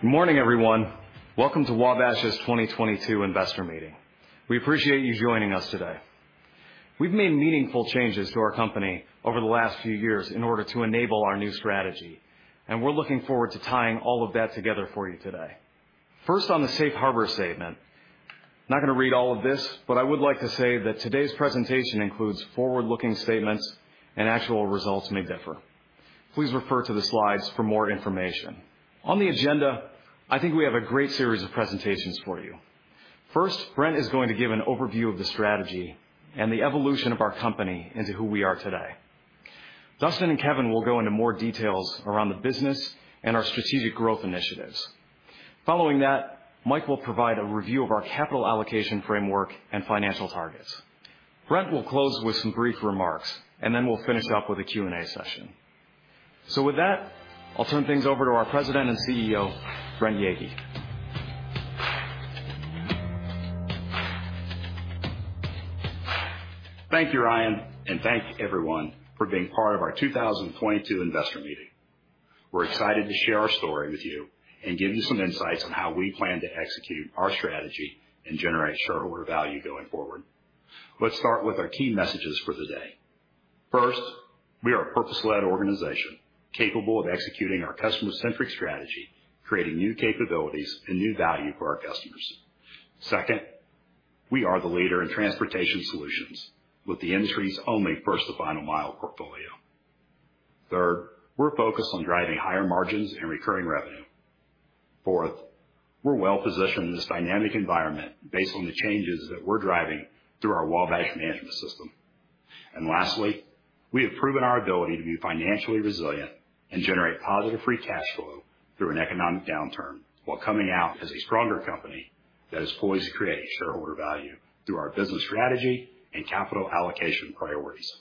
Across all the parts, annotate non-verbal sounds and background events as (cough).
Good morning, everyone. Welcome to Wabash's 2022 investor meeting. We appreciate you joining us today. We've made meaningful changes to our company over the last few years in order to enable our new strategy, and we're looking forward to tying all of that together for you today. First, on the safe harbor statement, I'm not gonna read all of this, but I would like to say that today's presentation includes forward-looking statements and actual results may differ. Please refer to the slides for more information. On the agenda, I think we have a great series of presentations for you. First, Brent is going to give an overview of the strategy and the evolution of our company into who we are today. Dustin and Kevin will go into more details around the business and our strategic growth initiatives. Following that, Mike will provide a review of our capital allocation framework and financial targets. Brent will close with some brief remarks, and then we'll finish up with a Q&A session. With that, I'll turn things over to our President and CEO, Brent Yeagy. Thank you, Ryan, and thank you, everyone, for being part of our 2022 investor meeting. We're excited to share our story with you and give you some insights on how we plan to execute our strategy and generate shareholder value going forward. Let's start with our key messages for the day. First, we are a purpose-led organization capable of executing our customer-centric strategy, creating new capabilities and new value for our customers. Second, we are the leader in Transportation Solutions with the industry's only first-to-final-mile portfolio. Third, we're focused on driving higher margins and recurring revenue. Fourth, we're well-positioned in this dynamic environment based on the changes that we're driving through our Wabash Management System. Lastly, we have proven our ability to be financially resilient and generate positive free cash flow through an economic downturn while coming out as a stronger company that is poised to create shareholder value through our business strategy and capital allocation priorities.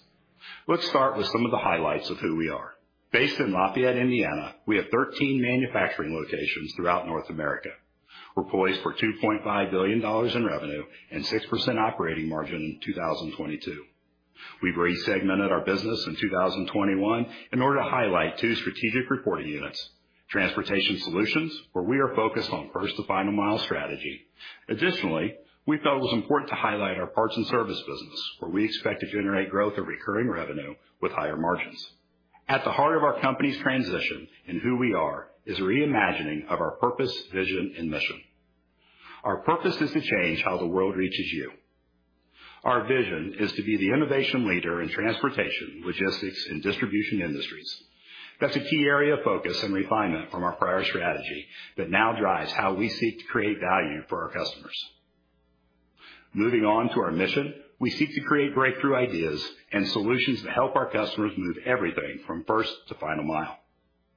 Let's start with some of the highlights of who we are. Based in Lafayette, Indiana, we have 13 manufacturing locations throughout North America. We're poised for $2.5 billion in revenue and 6% operating margin in 2022. We've re-segmented our business in 2021 in order to highlight two strategic reporting units, Transportation Solutions, where we are focused on first-to-final-mile strategy. Additionally, we felt it was important to highlight our Parts and Service business, where we expect to generate growth or recurring revenue with higher margins. At the heart of our company's transition and who we are is a reimagining of our purpose, vision, and mission. Our purpose is to change how the world reaches you. Our vision is to be the innovation leader in transportation, logistics, and distribution industries. That's a key area of focus and refinement from our prior strategy that now drives how we seek to create value for our customers. Moving on to our mission, we seek to create breakthrough ideas and solutions that help our customers move everything from first-to-final mile.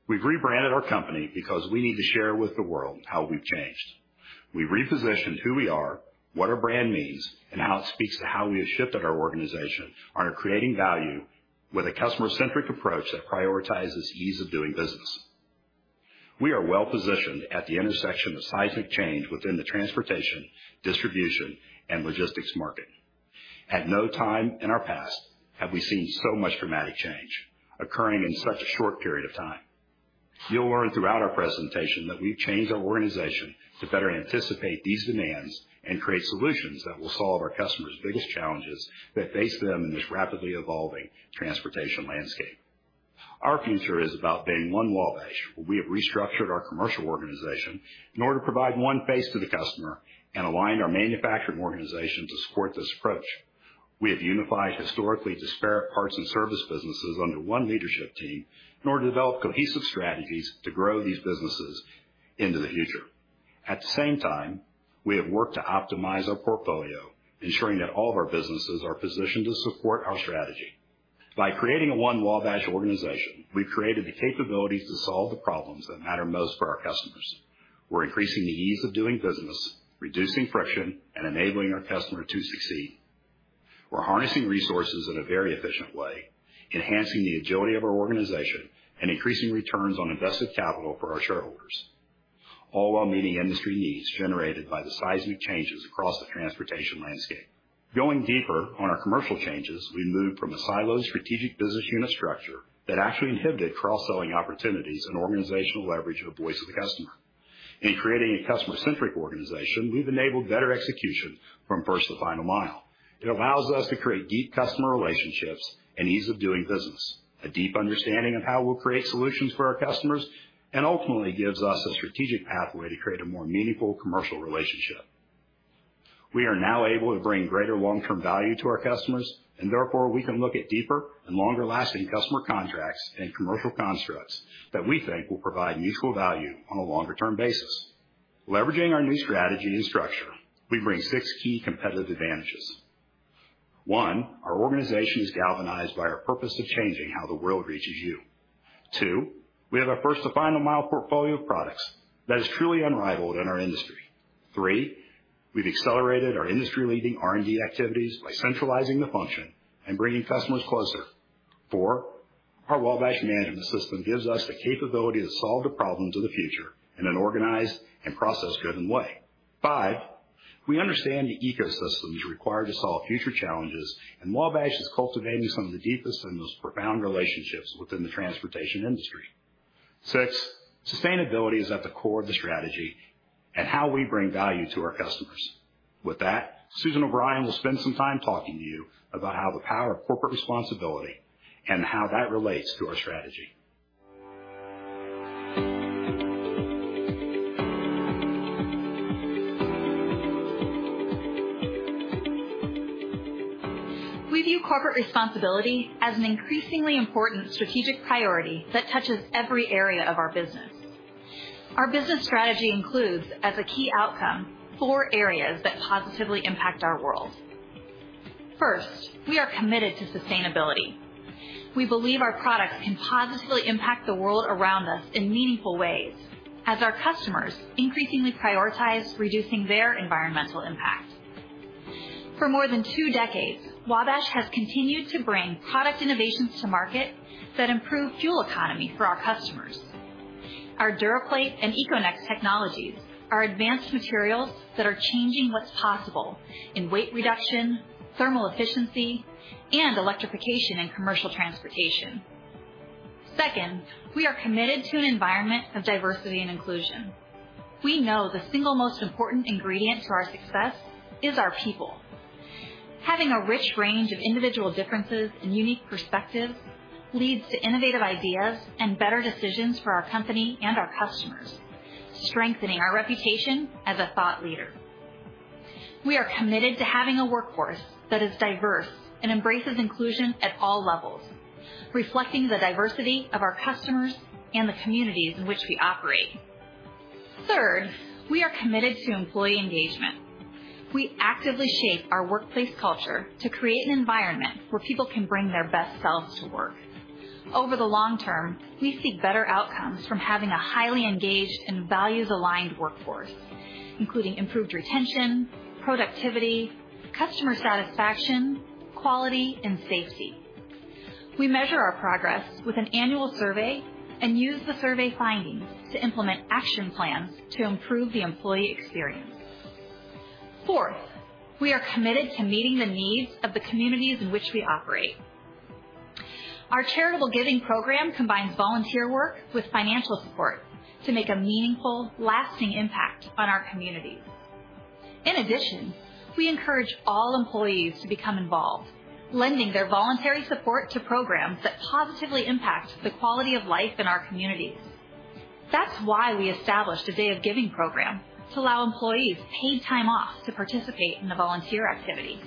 We've rebranded our company because we need to share with the world how we've changed. We repositioned who we are, what our brand means, and how it speaks to how we have shifted our organization on creating value with a customer-centric approach that prioritizes ease of doing business. We are well-positioned at the intersection of seismic change within the transportation, distribution, and logistics market. At no time in our past have we seen so much dramatic change occurring in such a short period of time. You'll learn throughout our presentation that we've changed our organization to better anticipate these demands and create solutions that will solve our customers' biggest challenges that face them in this rapidly evolving transportation landscape. Our future is about being One Wabash. We have restructured our commercial organization in order to provide one face to the customer and aligned our manufacturing organization to support this approach. We have unified historically disparate Parts and Service businesses under one leadership team in order to develop cohesive strategies to grow these businesses into the future. At the same time, we have worked to optimize our portfolio, ensuring that all of our businesses are positioned to support our strategy. By creating a One Wabash organization, we've created the capabilities to solve the problems that matter most for our customers. We're increasing the ease of doing business, reducing friction, and enabling our customer to succeed. We're harnessing resources in a very efficient way, enhancing the agility of our organization and increasing returns on invested capital for our shareholders, all while meeting industry needs generated by the seismic changes across the transportation landscape. Going deeper on our commercial changes, we moved from a siloed strategic business unit structure that actually inhibited cross-selling opportunities and organizational leverage of the voice of the customer. In creating a customer-centric organization, we've enabled better execution from first to final mile. It allows us to create deep customer relationships and ease of doing business, a deep understanding of how we'll create solutions for our customers, and ultimately gives us a strategic pathway to create a more meaningful commercial relationship. We are now able to bring greater long-term value to our customers, and therefore, we can look at deeper and longer-lasting customer contracts and commercial constructs that we think will provide mutual value on a longer-term basis. Leveraging our new strategy and structure, we bring six key competitive advantages. One, our organization is galvanized by our purpose of changing how the world reaches you. Two, we have a first-to-final-mile portfolio of products that is truly unrivaled in our industry. Three, we've accelerated our industry-leading R&D activities by centralizing the function and bringing customers closer. Four, our Wabash Management System gives us the capability to solve the problems of the future in an organized and process-driven way. Five, we understand the ecosystems required to solve future challenges, and Wabash is cultivating some of the deepest and most profound relationships within the transportation industry. Six, sustainability is at the core of the strategy and how we bring value to our customers. With that, Susan O'Brien will spend some time talking to you about how the power of corporate responsibility and how that relates to our strategy. We view corporate responsibility as an increasingly important strategic priority that touches every area of our business. Our business strategy includes, as a key outcome, four areas that positively impact our world. First, we are committed to sustainability. We believe our products can positively impact the world around us in meaningful ways as our customers increasingly prioritize reducing their environmental impact. For more than two decades, Wabash has continued to bring product innovations to market that improve fuel economy for our customers. Our DuraPlate and EcoNex technologies are advanced materials that are changing what's possible in weight reduction, thermal efficiency, and electrification and commercial transportation. Second, we are committed to an environment of diversity and inclusion. We know the single most important ingredient to our success is our people. Having a rich range of individual differences and unique perspectives leads to innovative ideas and better decisions for our company and our customers, strengthening our reputation as a thought leader. We are committed to having a workforce that is diverse and embraces inclusion at all levels, reflecting the diversity of our customers and the communities in which we operate. Third, we are committed to employee engagement. We actively shape our workplace culture to create an environment where people can bring their best selves to work. Over the long term, we see better outcomes from having a highly engaged and values aligned workforce, including improved retention, productivity, customer satisfaction, quality and safety. We measure our progress with an annual survey and use the survey findings to implement action plans to improve the employee experience. Fourth, we are committed to meeting the needs of the communities in which we operate. Our charitable giving program combines volunteer work with financial support to make a meaningful, lasting impact on our communities. In addition, we encourage all employees to become involved, lending their voluntary support to programs that positively impact the quality of life in our communities. That's why we established a day of giving program to allow employees paid time off to participate in the volunteer activities.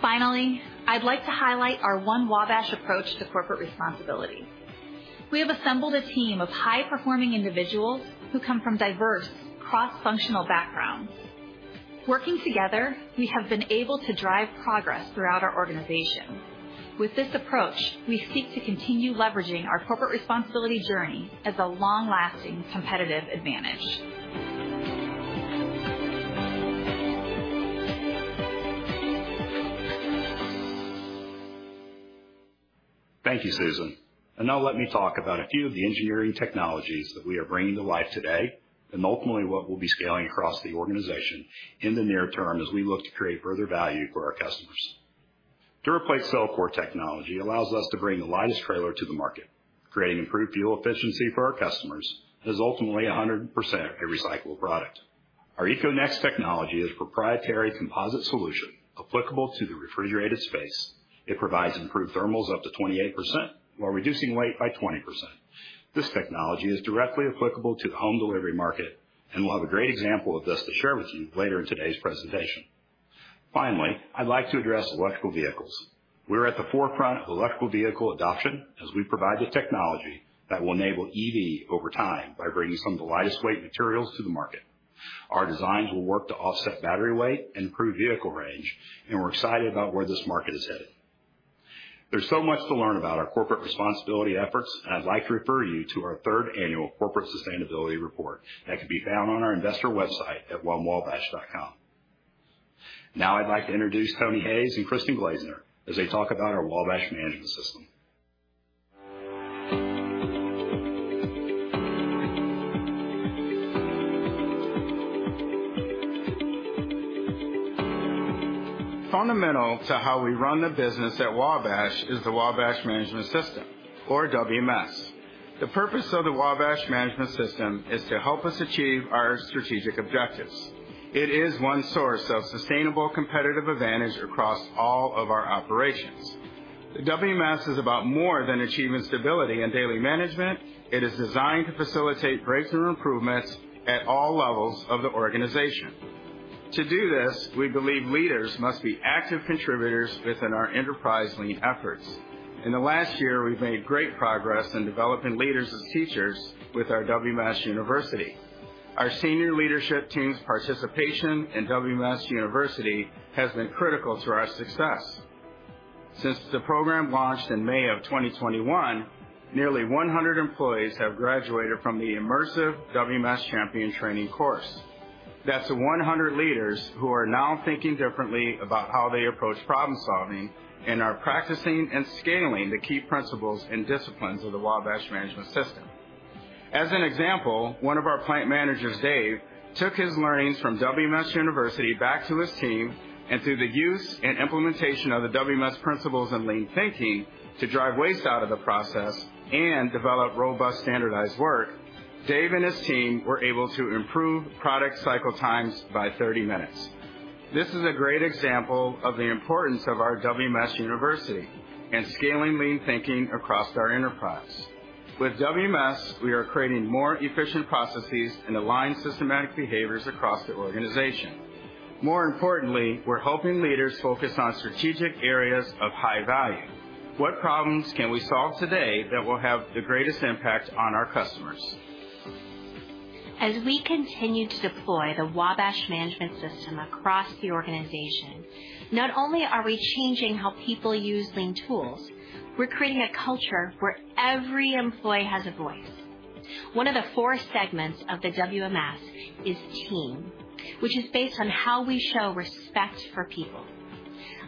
Finally, I'd like to highlight our One Wabash approach to corporate responsibility. We have assembled a team of high performing individuals who come from diverse cross-functional backgrounds. Working together, we have been able to drive progress throughout our organization. With this approach, we seek to continue leveraging our corporate responsibility journey as a long lasting competitive advantage. Thank you, Susan. Now let me talk about a few of the engineering technologies that we are bringing to life today and ultimately what we'll be scaling across the organization in the near term as we look to create further value for our customers. DuraPlate Cell Core technology allows us to bring the lightest trailer to the market, creating improved fuel efficiency for our customers, and is ultimately 100% a recycled product. Our EcoNex technology is proprietary composite solution applicable to the refrigerated space. It provides improved thermals up to 28% while reducing weight by 20%. This technology is directly applicable to the home delivery market, and we'll have a great example of this to share with you later in today's presentation. Finally, I'd like to address electric vehicles. We're at the forefront of electrical vehicle adoption as we provide the technology that will enable EV over time by bringing some of the lightest weight materials to the market. Our designs will work to offset battery weight and improve vehicle range, and we're excited about where this market is headed. There's so much to learn about our corporate responsibility efforts, and I'd like to refer you to our third annual corporate sustainability report that can be found on our investor website at onewabash.com. Now I'd like to introduce Tony Hayes and Kristin Glazner as they talk about our Wabash Management System. Fundamental to how we run the business at Wabash is the Wabash Management System, or WMS. The purpose of the Wabash Management System is to help us achieve our strategic objectives. It is one source of sustainable competitive advantage across all of our operations. WMS is about more than achieving stability and daily management. It is designed to facilitate breakthrough improvements at all levels of the organization. To do this, we believe leaders must be active contributors within our enterprise lean efforts. In the last year, we've made great progress in developing leaders as teachers with our WMS University. Our senior leadership team's participation in WMS University has been critical to our success. Since the program launched in May 2021, nearly 100 employees have graduated from the immersive WMS Champion training course. That's 100 leaders who are now thinking differently about how they approach problem-solving and are practicing and scaling the key principles and disciplines of the Wabash Management System. As an example, one of our plant managers, Dave, took his learnings from WMS University back to his team and through the use and implementation of the WMS principles and lean thinking to drive waste out of the process and develop robust standardized work, Dave and his team were able to improve product cycle times by 30 minutes. This is a great example of the importance of our WMS University and scaling lean thinking across our enterprise. With WMS, we are creating more efficient processes and aligned systematic behaviors across the organization. More importantly, we're helping leaders focus on strategic areas of high value. What problems can we solve today that will have the greatest impact on our customers? As we continue to deploy the Wabash Management System across the organization, not only are we changing how people use lean tools, we're creating a culture where every employee has a voice. One of the four segments of the WMS is team, which is based on how we show respect for people.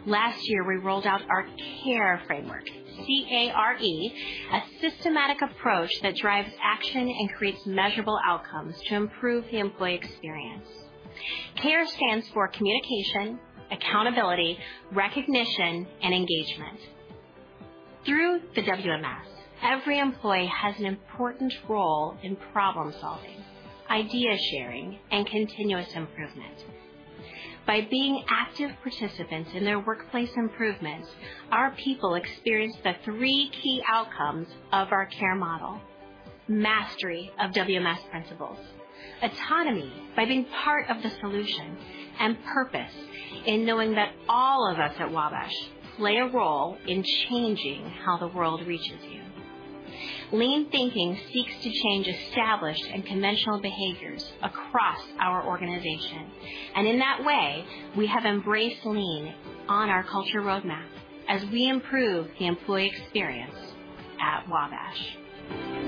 Last year, we rolled out our CARE framework, C-A-R-E, a systematic approach that drives action and creates measurable outcomes to improve the employee experience. CARE stands for communication, accountability, recognition, and engagement. Through the WMS, every employee has an important role in problem-solving, idea sharing, and continuous improvement. By being active participants in their workplace improvements, our people experience the three key outcomes of our care model, mastery of WMS principles, autonomy by being part of the solution, and purpose in knowing that all of us at Wabash play a role in changing how the world reaches you. Lean thinking seeks to change established and conventional behaviors across our organization, and in that way, we have embraced lean on our culture roadmap as we improve the employee experience at Wabash.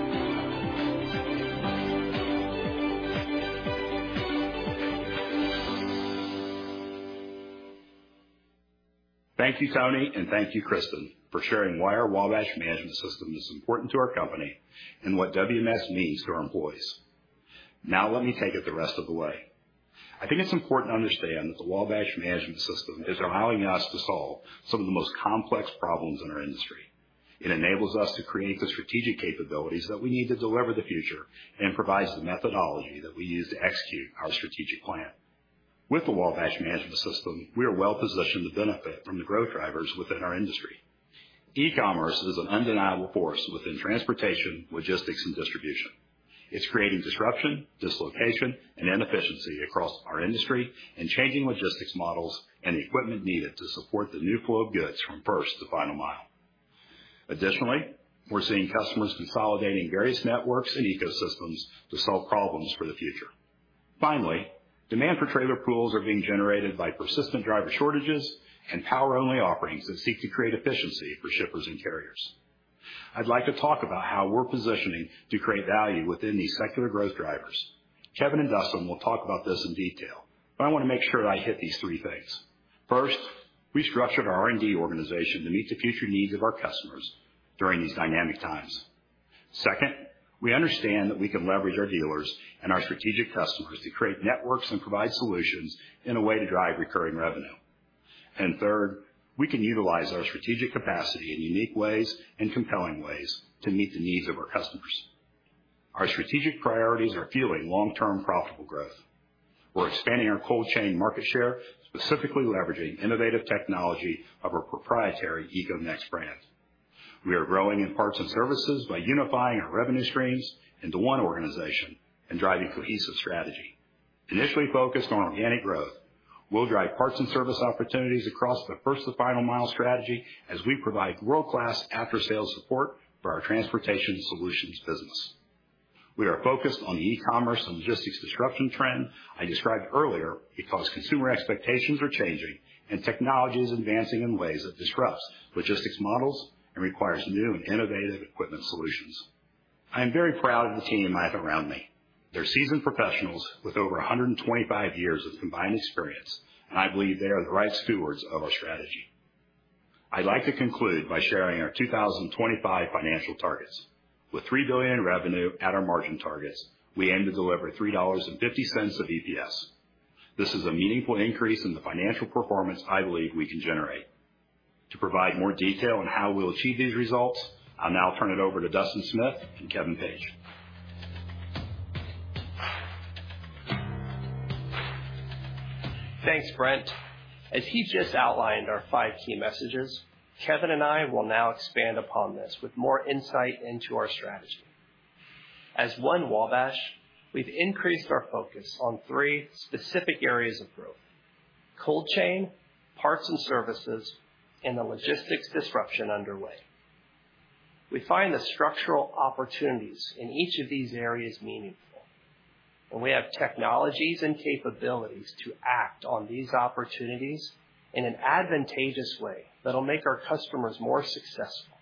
Thank you, Tony, and thank you, Kristin, for sharing why our Wabash Management System is important to our company and what WMS means to our employees. Now, let me take it the rest of the way. I think it's important to understand that the Wabash Management System is allowing us to solve some of the most complex problems in our industry. It enables us to create the strategic capabilities that we need to deliver the future and provides the methodology that we use to execute our strategic plan. With the Wabash Management System, we are well positioned to benefit from the growth drivers within our industry. E-commerce is an undeniable force within transportation, logistics, and distribution. It's creating disruption, dislocation, and inefficiency across our industry and changing logistics models and the equipment needed to support the new flow of goods from first-to-final-mile. Additionally, we're seeing customers consolidating various networks and ecosystems to solve problems for the future. Finally, demand for trailer pools are being generated by persistent driver shortages and power-only offerings that seek to create efficiency for shippers and carriers. I'd like to talk about how we're positioning to create value within these secular growth drivers. Kevin and Dustin will talk about this in detail, but I want to make sure that I hit these three things. First, we structured our R&D organization to meet the future needs of our customers during these dynamic times. Second, we understand that we can leverage our dealers and our strategic customers to create networks and provide solutions in a way to drive recurring revenue and third, we can utilize our strategic capacity in unique ways and compelling ways to meet the needs of our customers. Our strategic priorities are fueling long-term profitable growth. We're expanding our cold-chain market share, specifically leveraging innovative technology of our proprietary EcoNex brand. We're growing in parts and services by unifying our revenue streams into one organization and driving cohesive strategy. Initially focused on organic growth, we'll drive parts and service opportunities across the first-to-final-mile strategy as we provide world-class after-sales support for our Transportation Solutions business. We're focused on the e-commerce and logistics disruption trend I described earlier because consumer expectations are changing and technology is advancing in ways that disrupts logistics models and requires new and innovative equipment solutions. I'm very proud of the team I have around me. They're seasoned professionals with over 125 years of combined experience, and I believe they are the right stewards of our strategy. I'd like to conclude by sharing our 2025 financial targets. With $3 billion in revenue at our margin targets, we aim to deliver $3.50 of EPS. This is a meaningful increase in the financial performance I believe we can generate. To provide more detail on how we'll achieve these results, I'll now turn it over to Dustin Smith and Kevin Page. Thanks, Brent. As he just outlined our five key messages, Kevin and I will now expand upon this with more insight into our strategy. As One Wabash, we've increased our focus on three specific areas of growth: cold chain, Parts and Services, and the logistics disruption underway. We find the structural opportunities in each of these areas meaningful, and we have technologies and capabilities to act on these opportunities in an advantageous way that'll make our customers more successful.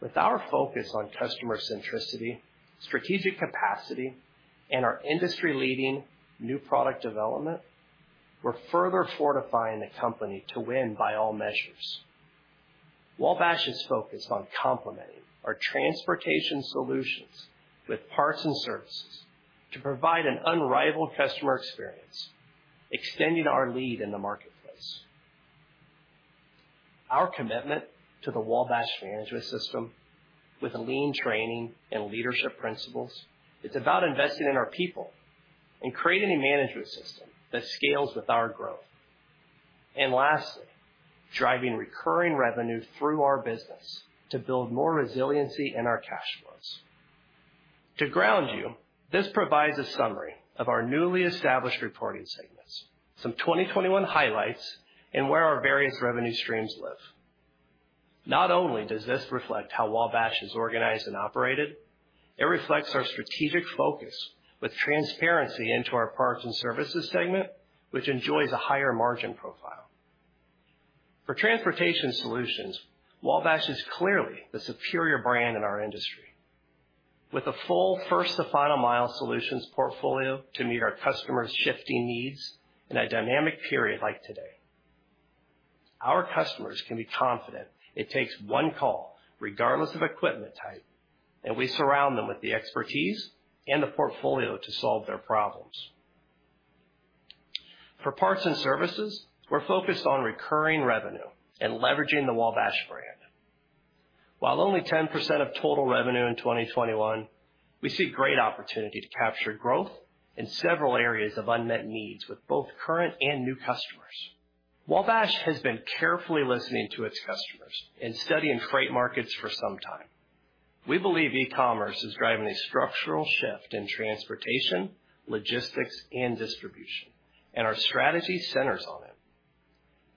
With our focus on customer centricity, strategic capacity, and our industry-leading new product development. We're further fortifying the company to win by all measures. Wabash is focused on complementing our Transportation Solutions with Parts and Services to provide an unrivaled customer experience, extending our lead in the marketplace. Our commitment to the Wabash Management System with lean training and leadership principles is about investing in our people and creating a management system that scales with our growth. Lastly, driving recurring revenue through our business to build more resiliency in our cash flows. To ground you, this provides a summary of our newly established reporting segments, some 2021 highlights, and where our various revenue streams live. Not only does this reflect how Wabash is organized and operated, it reflects our strategic focus with transparency into our Parts and Services segment, which enjoys a higher margin profile. For Transportation Solutions, Wabash is clearly the superior brand in our industry. With a full first-to-final mile solutions portfolio to meet our customers' shifting needs in a dynamic period like today, our customers can be confident it takes one call regardless of equipment type, and we surround them with the expertise and the portfolio to solve their problems. For Parts and Services, we're focused on recurring revenue and leveraging the Wabash brand. While only 10% of total revenue in 2021, we see great opportunity to capture growth in several areas of unmet needs with both current and new customers. Wabash has been carefully listening to its customers and studying freight markets for some time. We believe e-commerce is driving a structural shift in transportation, logistics, and distribution, and our strategy centers on it.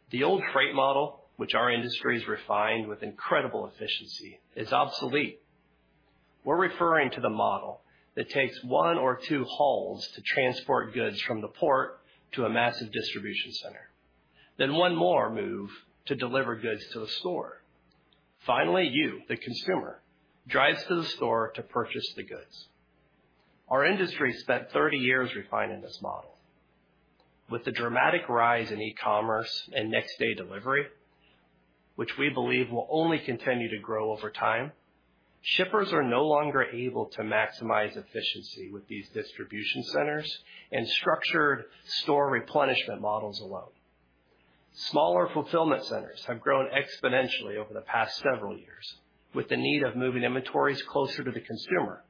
The old freight model, which our industry has refined with incredible efficiency, is obsolete. We're referring to the model that takes one or two hauls to transport goods from the port to a massive distribution center, then one more move to deliver goods to the store. Finally, you, the consumer, drives to the store to purchase the goods. Our industry spent 30 years refining this model. With the dramatic rise in e-commerce and next-day delivery, which we believe will only continue to grow over time, shippers are no longer able to maximize efficiency with these distribution centers and structured store replenishment models alone. Smaller fulfillment centers have grown exponentially over the past several years with the need of moving inventories closer to the consumer.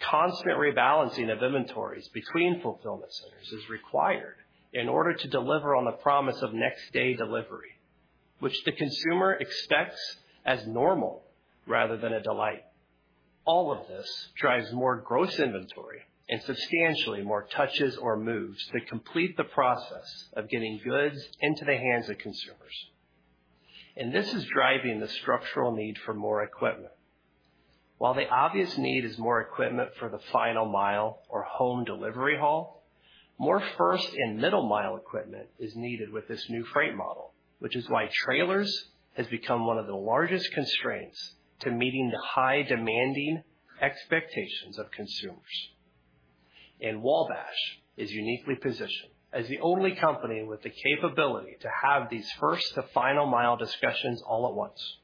Constant rebalancing of inventories between fulfillment centers is required in order to deliver on the promise of next-day delivery, which the consumer expects as normal rather than a delight. All of this drives more gross inventory and substantially more touches or moves that complete the process of getting goods into the hands of consumers. This is driving the structural need for more equipment. While the obvious need is more equipment for the final mile or home delivery haul, more first and middle mile equipment is needed with this new freight model, which is why trailers has become one of the largest constraints to meeting the high demanding expectations of consumers. Wabash is uniquely positioned as the only company with the capability to have these first-to-final- mile discussions all at once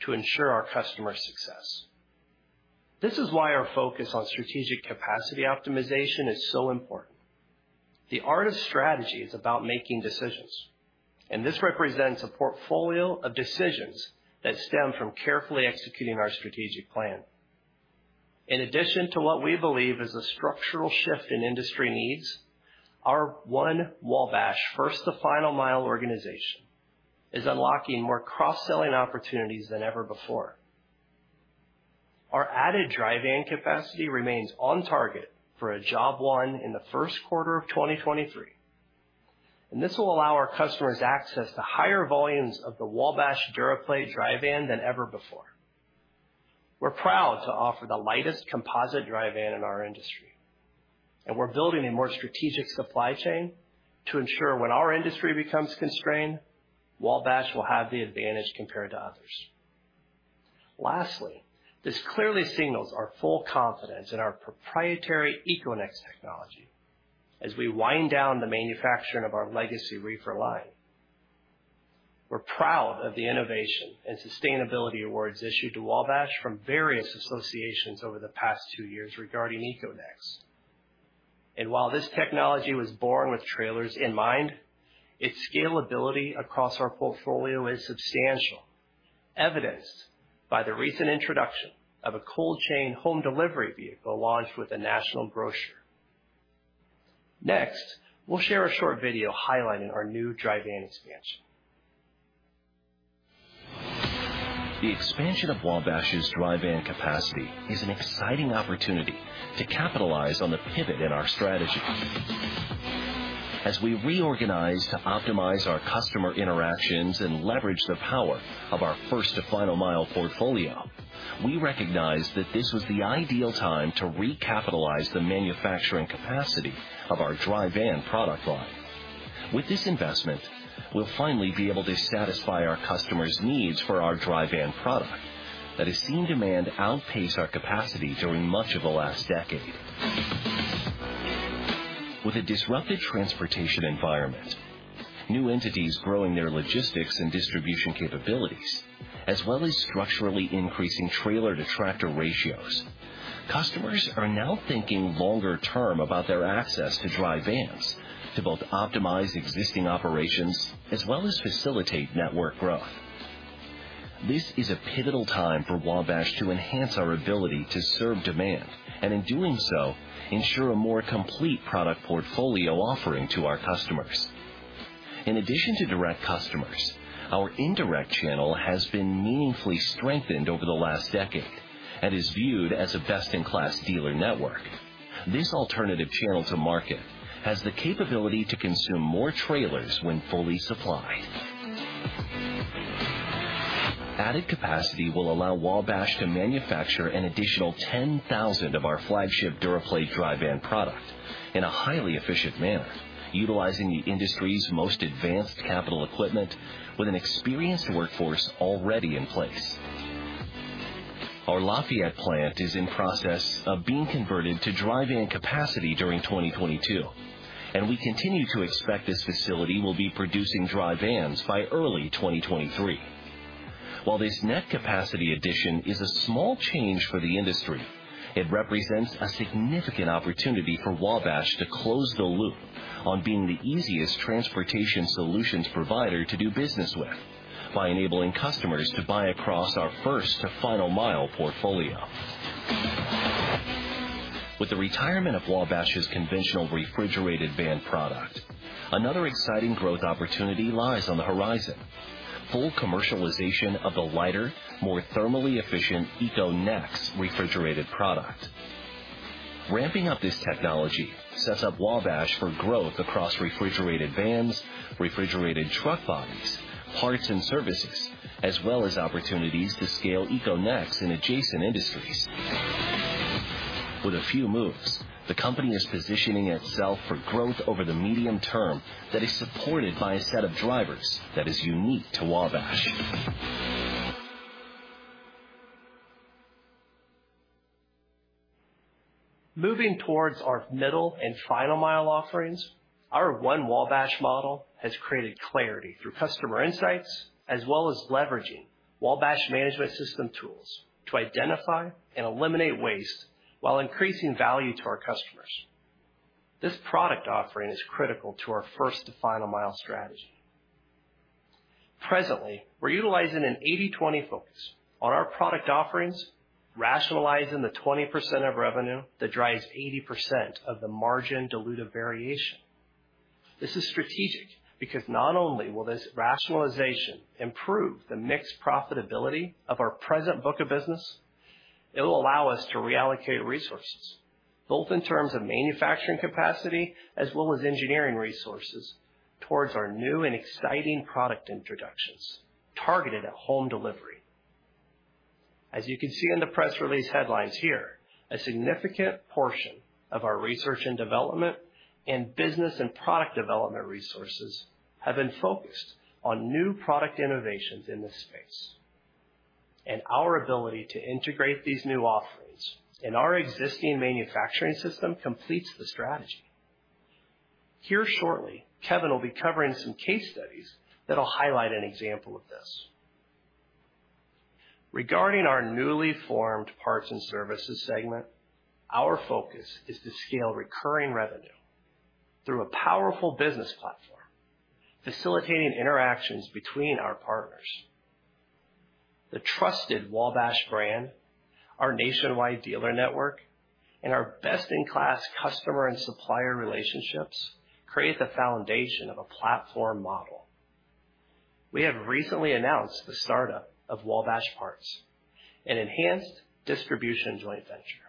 to ensure our customer success. This is why our focus on strategic capacity optimization is so important. The art of strategy is about making decisions, and this represents a portfolio of decisions that stem from carefully executing our strategic plan. In addition to what we believe is a structural shift in industry needs, our One Wabash first-to-final-mile organization is unlocking more cross-selling opportunities than ever before. Our added dry van capacity remains on target for a job one in the first quarter of 2023, and this will allow our customers access to higher volumes of the Wabash DuraPlate dry van than ever before. We're proud to offer the lightest composite dry van in our industry, and we're building a more strategic supply chain to ensure when our industry becomes constrained, Wabash will have the advantage compared to others. Lastly, this clearly signals our full confidence in our proprietary EcoNex technology as we wind down the manufacturing of our legacy reefer line. We're proud of the innovation and sustainability awards issued to Wabash from various associations over the past two years regarding EcoNex. While this technology was born with trailers in mind, its scalability across our portfolio is substantial, evidenced by the recent introduction of a cold chain home delivery vehicle launched with a national grocer. Next, we'll share a short video highlighting our new dry van expansion. The expansion of Wabash's dry van capacity is an exciting opportunity to capitalize on the pivot in our strategy. As we reorganize to optimize our customer interactions and leverage the power of our first-to-final-mile portfolio, we recognize that this was the ideal time to recapitalize the manufacturing capacity of our dry van product line. With this investment, we'll finally be able to satisfy our customers' needs for our dry van product. That has seen demand outpace our capacity during much of the last decade. With a disrupted transportation environment, new entities growing their logistics and distribution capabilities, as well as structurally increasing trailer-to-tractor ratios, customers are now thinking longer term about their access to dry vans to both optimize existing operations as well as facilitate network growth. This is a pivotal time for Wabash to enhance our ability to serve demand, and in doing so, ensure a more complete product portfolio offering to our customers. In addition to direct customers, our indirect channel has been meaningfully strengthened over the last decade and is viewed as a best-in-class dealer network. This alternative channel to market has the capability to consume more trailers when fully supplied. Added capacity will allow Wabash to manufacture an additional 10,000 of our flagship DuraPlate dry van product in a highly efficient manner, utilizing the industry's most advanced capital equipment with an experienced workforce already in place. Our Lafayette plant is in process of being converted to dry van capacity during 2022, and we continue to expect this facility will be producing dry vans by early 2023. While this net capacity addition is a small change for the industry, it represents a significant opportunity for Wabash to close the loop on being the easiest transportation solutions provider to do business with by enabling customers to buy across our first-to- final-mile portfolio. With the retirement of Wabash's conventional refrigerated van product, another exciting growth opportunity lies on the horizon. Full commercialization of the lighter, more thermally efficient EcoNex refrigerated product. Ramping up this technology sets up Wabash for growth across refrigerated vans, refrigerated truck bodies, parts and services, as well as opportunities to scale EcoNex in adjacent industries. With a few moves, the company is positioning itself for growth over the medium term that is supported by a set of drivers that is unique to Wabash. Moving towards our middle-and-final-mile offerings, our One Wabash model has created clarity through customer insights as well as leveraging Wabash Management System tools to identify and eliminate waste while increasing value to our customers. This product offering is critical to our first-to- final-mile strategy. Presently, we're utilizing an 80/20 focus on our product offerings, rationalizing the 20% of revenue that drives 80% of the margin diluted variation. This is strategic because not only will this rationalization improve the mixed profitability of our present book of business, it will allow us to reallocate resources, both in terms of manufacturing capacity as well as engineering resources, towards our new and exciting product introductions targeted at home delivery. As you can see in the press release headlines here, a significant portion of our research and development and business and product development resources have been focused on new product innovations in this space, and our ability to integrate these new offerings in our existing manufacturing system completes the strategy. Here shortly, Kevin will be covering some case studies that'll highlight an example of this. Regarding our newly formed parts and services segment, our focus is to scale recurring revenue through a powerful business platform, facilitating interactions between our partners. The trusted Wabash brand, our nationwide dealer network, and our best-in-class customer and supplier relationships create the foundation of a platform model. We have recently announced the startup of Wabash Parts, an enhanced distribution joint venture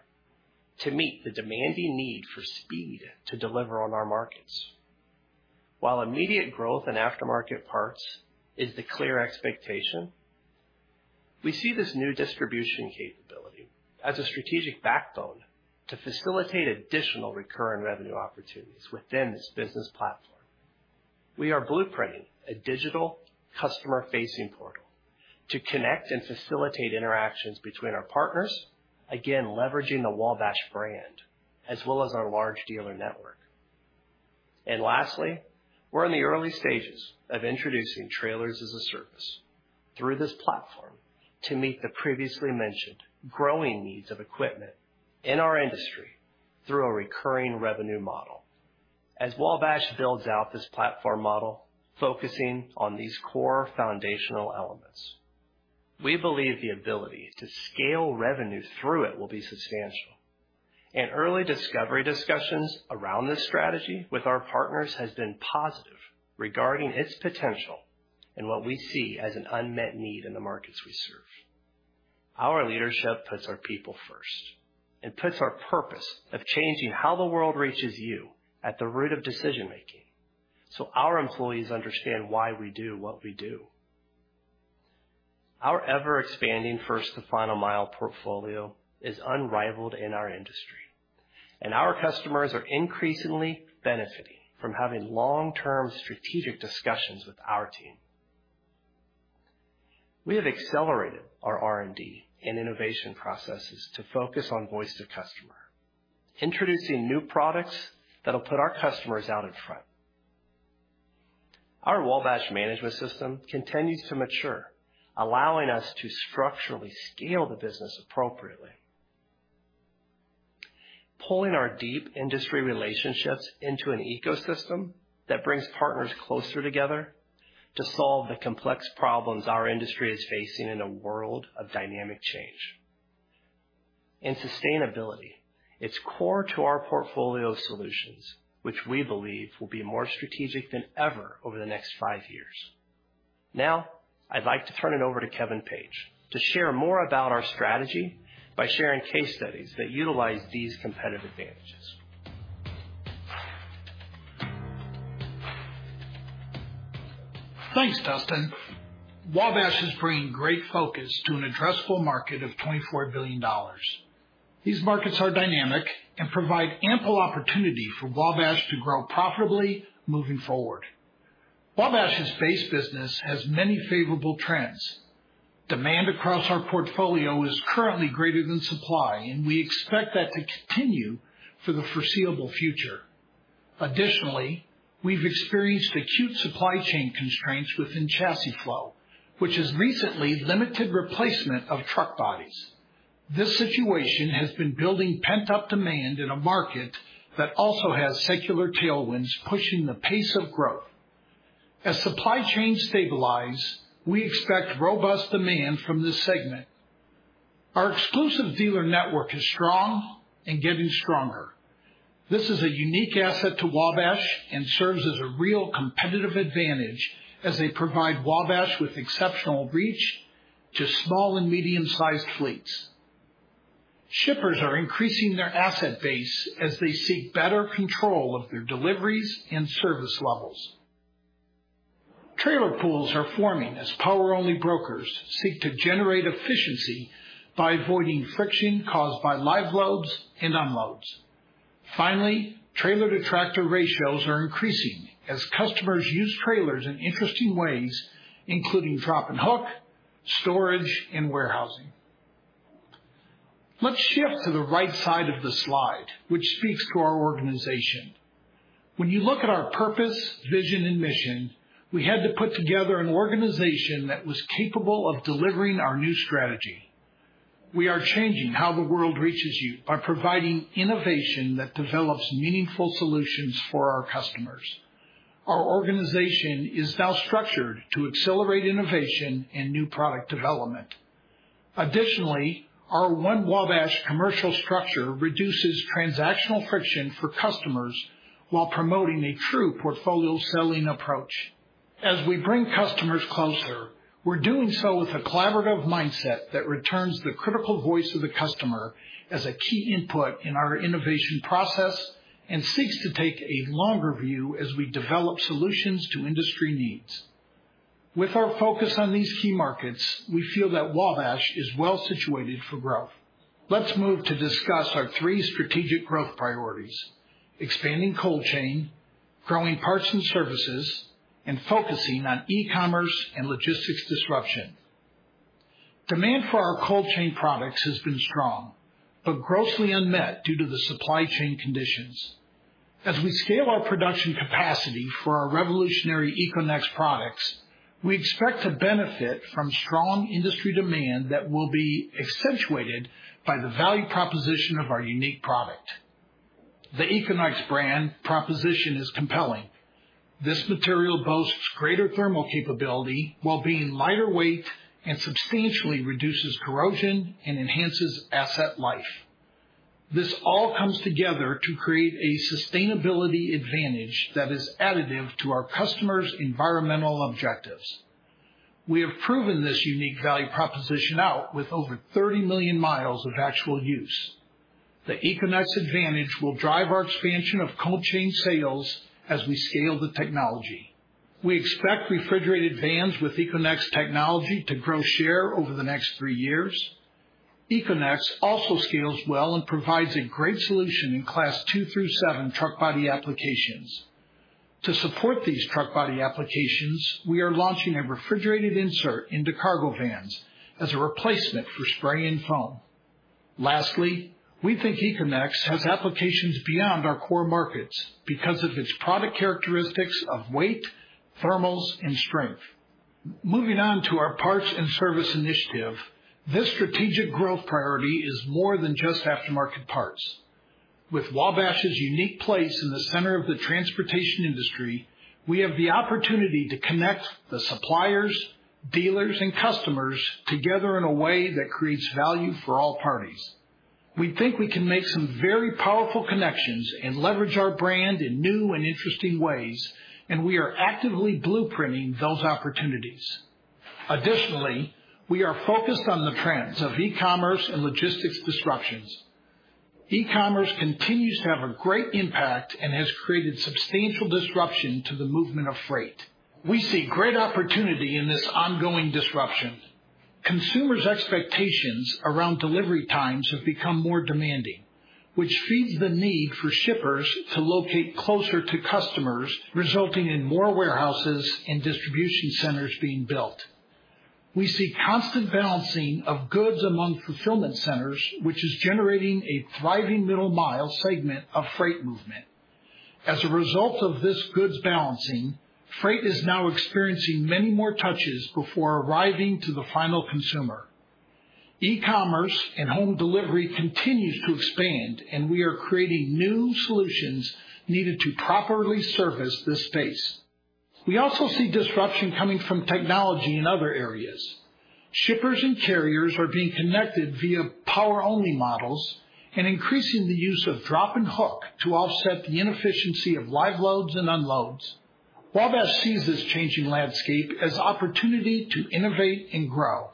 to meet the demanding need for speed to deliver on our markets. While immediate growth in aftermarket parts is the clear expectation, we see this new distribution capability as a strategic backbone to facilitate additional recurring revenue opportunities within this business platform. We are blueprinting a digital customer-facing portal to connect and facilitate interactions between our partners, again, leveraging the Wabash brand as well as our large dealer network. Lastly, we're in the early stages of introducing Trailers as a Service through this platform to meet the previously mentioned growing needs of equipment in our industry through a recurring revenue model. As Wabash builds out this platform model, focusing on these core foundational elements, we believe the ability to scale revenue through it will be substantial. Early discovery discussions around this strategy with our partners has been positive regarding its potential and what we see as an unmet need in the markets we serve. Our leadership puts our people first and puts our purpose of changing how the world reaches you at the root of decision-making, so our employees understand why we do what we do. Our ever-expanding first to final mile portfolio is unrivaled in our industry. Our customers are increasingly benefiting from having long-term strategic discussions with our team. We have accelerated our R&D and innovation processes to focus on voice of customer, introducing new products that'll put our customers out in front. Our Wabash Management System continues to mature, allowing us to structurally scale the business appropriately. Pulling our deep industry relationships into an ecosystem that brings partners closer together to solve the complex problems our industry is facing in a world of dynamic change. Sustainability, it's core to our portfolio solutions, which we believe will be more strategic than ever over the next five years. Now, I'd like to turn it over to Kevin Page to share more about our strategy by sharing case studies that utilize these competitive advantages. Thanks, Dustin. Wabash is bringing great focus to an addressable market of $24 billion. These markets are dynamic and provide ample opportunity for Wabash to grow profitably moving forward. Wabash's base business has many favorable trends. Demand across our portfolio is currently greater than supply, and we expect that to continue for the foreseeable future. Additionally, we've experienced acute supply chain constraints within chassis flow, which has recently limited replacement of truck bodies. This situation has been building pent-up demand in a market that also has secular tailwinds pushing the pace of growth. As supply chains stabilize, we expect robust demand from this segment. Our exclusive dealer network is strong and getting stronger. This is a unique asset to Wabash and serves as a real competitive advantage as they provide Wabash with exceptional reach to small and medium-sized fleets. Shippers are increasing their asset base as they seek better control of their deliveries and service levels. Trailer pools are forming as power-only brokers seek to generate efficiency by avoiding friction caused by live loads and unloads. Finally, trailer-to-tractor ratios are increasing as customers use trailers in interesting ways, including drop and hook, storage, and warehousing. Let's shift to the right side of the slide, which speaks to our organization. When you look at our purpose, vision, and mission, we had to put together an organization that was capable of delivering our new strategy. We are changing how the world reaches you by providing innovation that develops meaningful solutions for our customers. Our organization is now structured to accelerate innovation and new product development. Additionally, our One Wabash commercial structure reduces transactional friction for customers while promoting a true portfolio selling approach. As we bring customers closer, we're doing so with a collaborative mindset that returns the critical voice of the customer as a key input in our innovation process and seeks to take a longer view as we develop solutions to industry needs. With our focus on these key markets, we feel that Wabash is well situated for growth. Let's move to discuss our three strategic growth priorities, expanding cold chain, growing Parts and Services, and focusing on e-commerce and logistics disruption. Demand for our cold chain products has been strong, but grossly unmet due to the supply chain conditions. As we scale our production capacity for our revolutionary EcoNex products, we expect to benefit from strong industry demand that will be accentuated by the value proposition of our unique product. The EcoNex brand proposition is compelling. This material boasts greater thermal capability while being lighter weight and substantially reduces corrosion and enhances asset life. This all comes together to create a sustainability advantage that is additive to our customers' environmental objectives. We have proven this unique value proposition out with over 30 million miles of actual use. The EcoNex advantage will drive our expansion of cold chain sales as we scale the technology. We expect refrigerated vans with EcoNex technology to grow share over the next three years. EcoNex also scales well and provides a great solution in Class two through seven truck body applications. To support these truck body applications, we are launching a refrigerated insert into cargo vans as a replacement for spray-in foam. Lastly, we think EcoNex has applications beyond our core markets because of its product characteristics of weight, thermals, and strength. Moving on to our Parts and Service initiative. This strategic growth priority is more than just aftermarket parts. With Wabash's unique place in the center of the transportation industry, we have the opportunity to connect the suppliers, dealers, and customers together in a way that creates value for all parties. We think we can make some very powerful connections and leverage our brand in new and interesting ways, and we are actively blueprinting those opportunities. Additionally, we are focused on the trends of e-commerce and logistics disruptions. E-commerce continues to have a great impact and has created substantial disruption to the movement of freight. We see great opportunity in this ongoing disruption. Consumers' expectations around delivery times have become more demanding, which feeds the need for shippers to locate closer to customers, resulting in more warehouses and distribution centers being built. We see constant balancing of goods among fulfillment centers, which is generating a thriving middle mile segment of freight movement. As a result of this goods balancing, freight is now experiencing many more touches before arriving to the final consumer. E-commerce and home delivery continues to expand, and we are creating new solutions needed to properly service this space. We also see disruption coming from technology in other areas. Shippers and carriers are being connected via power-only models and increasing the use of drop and hook to offset the inefficiency of live loads and unloads. Wabash sees this changing landscape as opportunity to innovate and grow.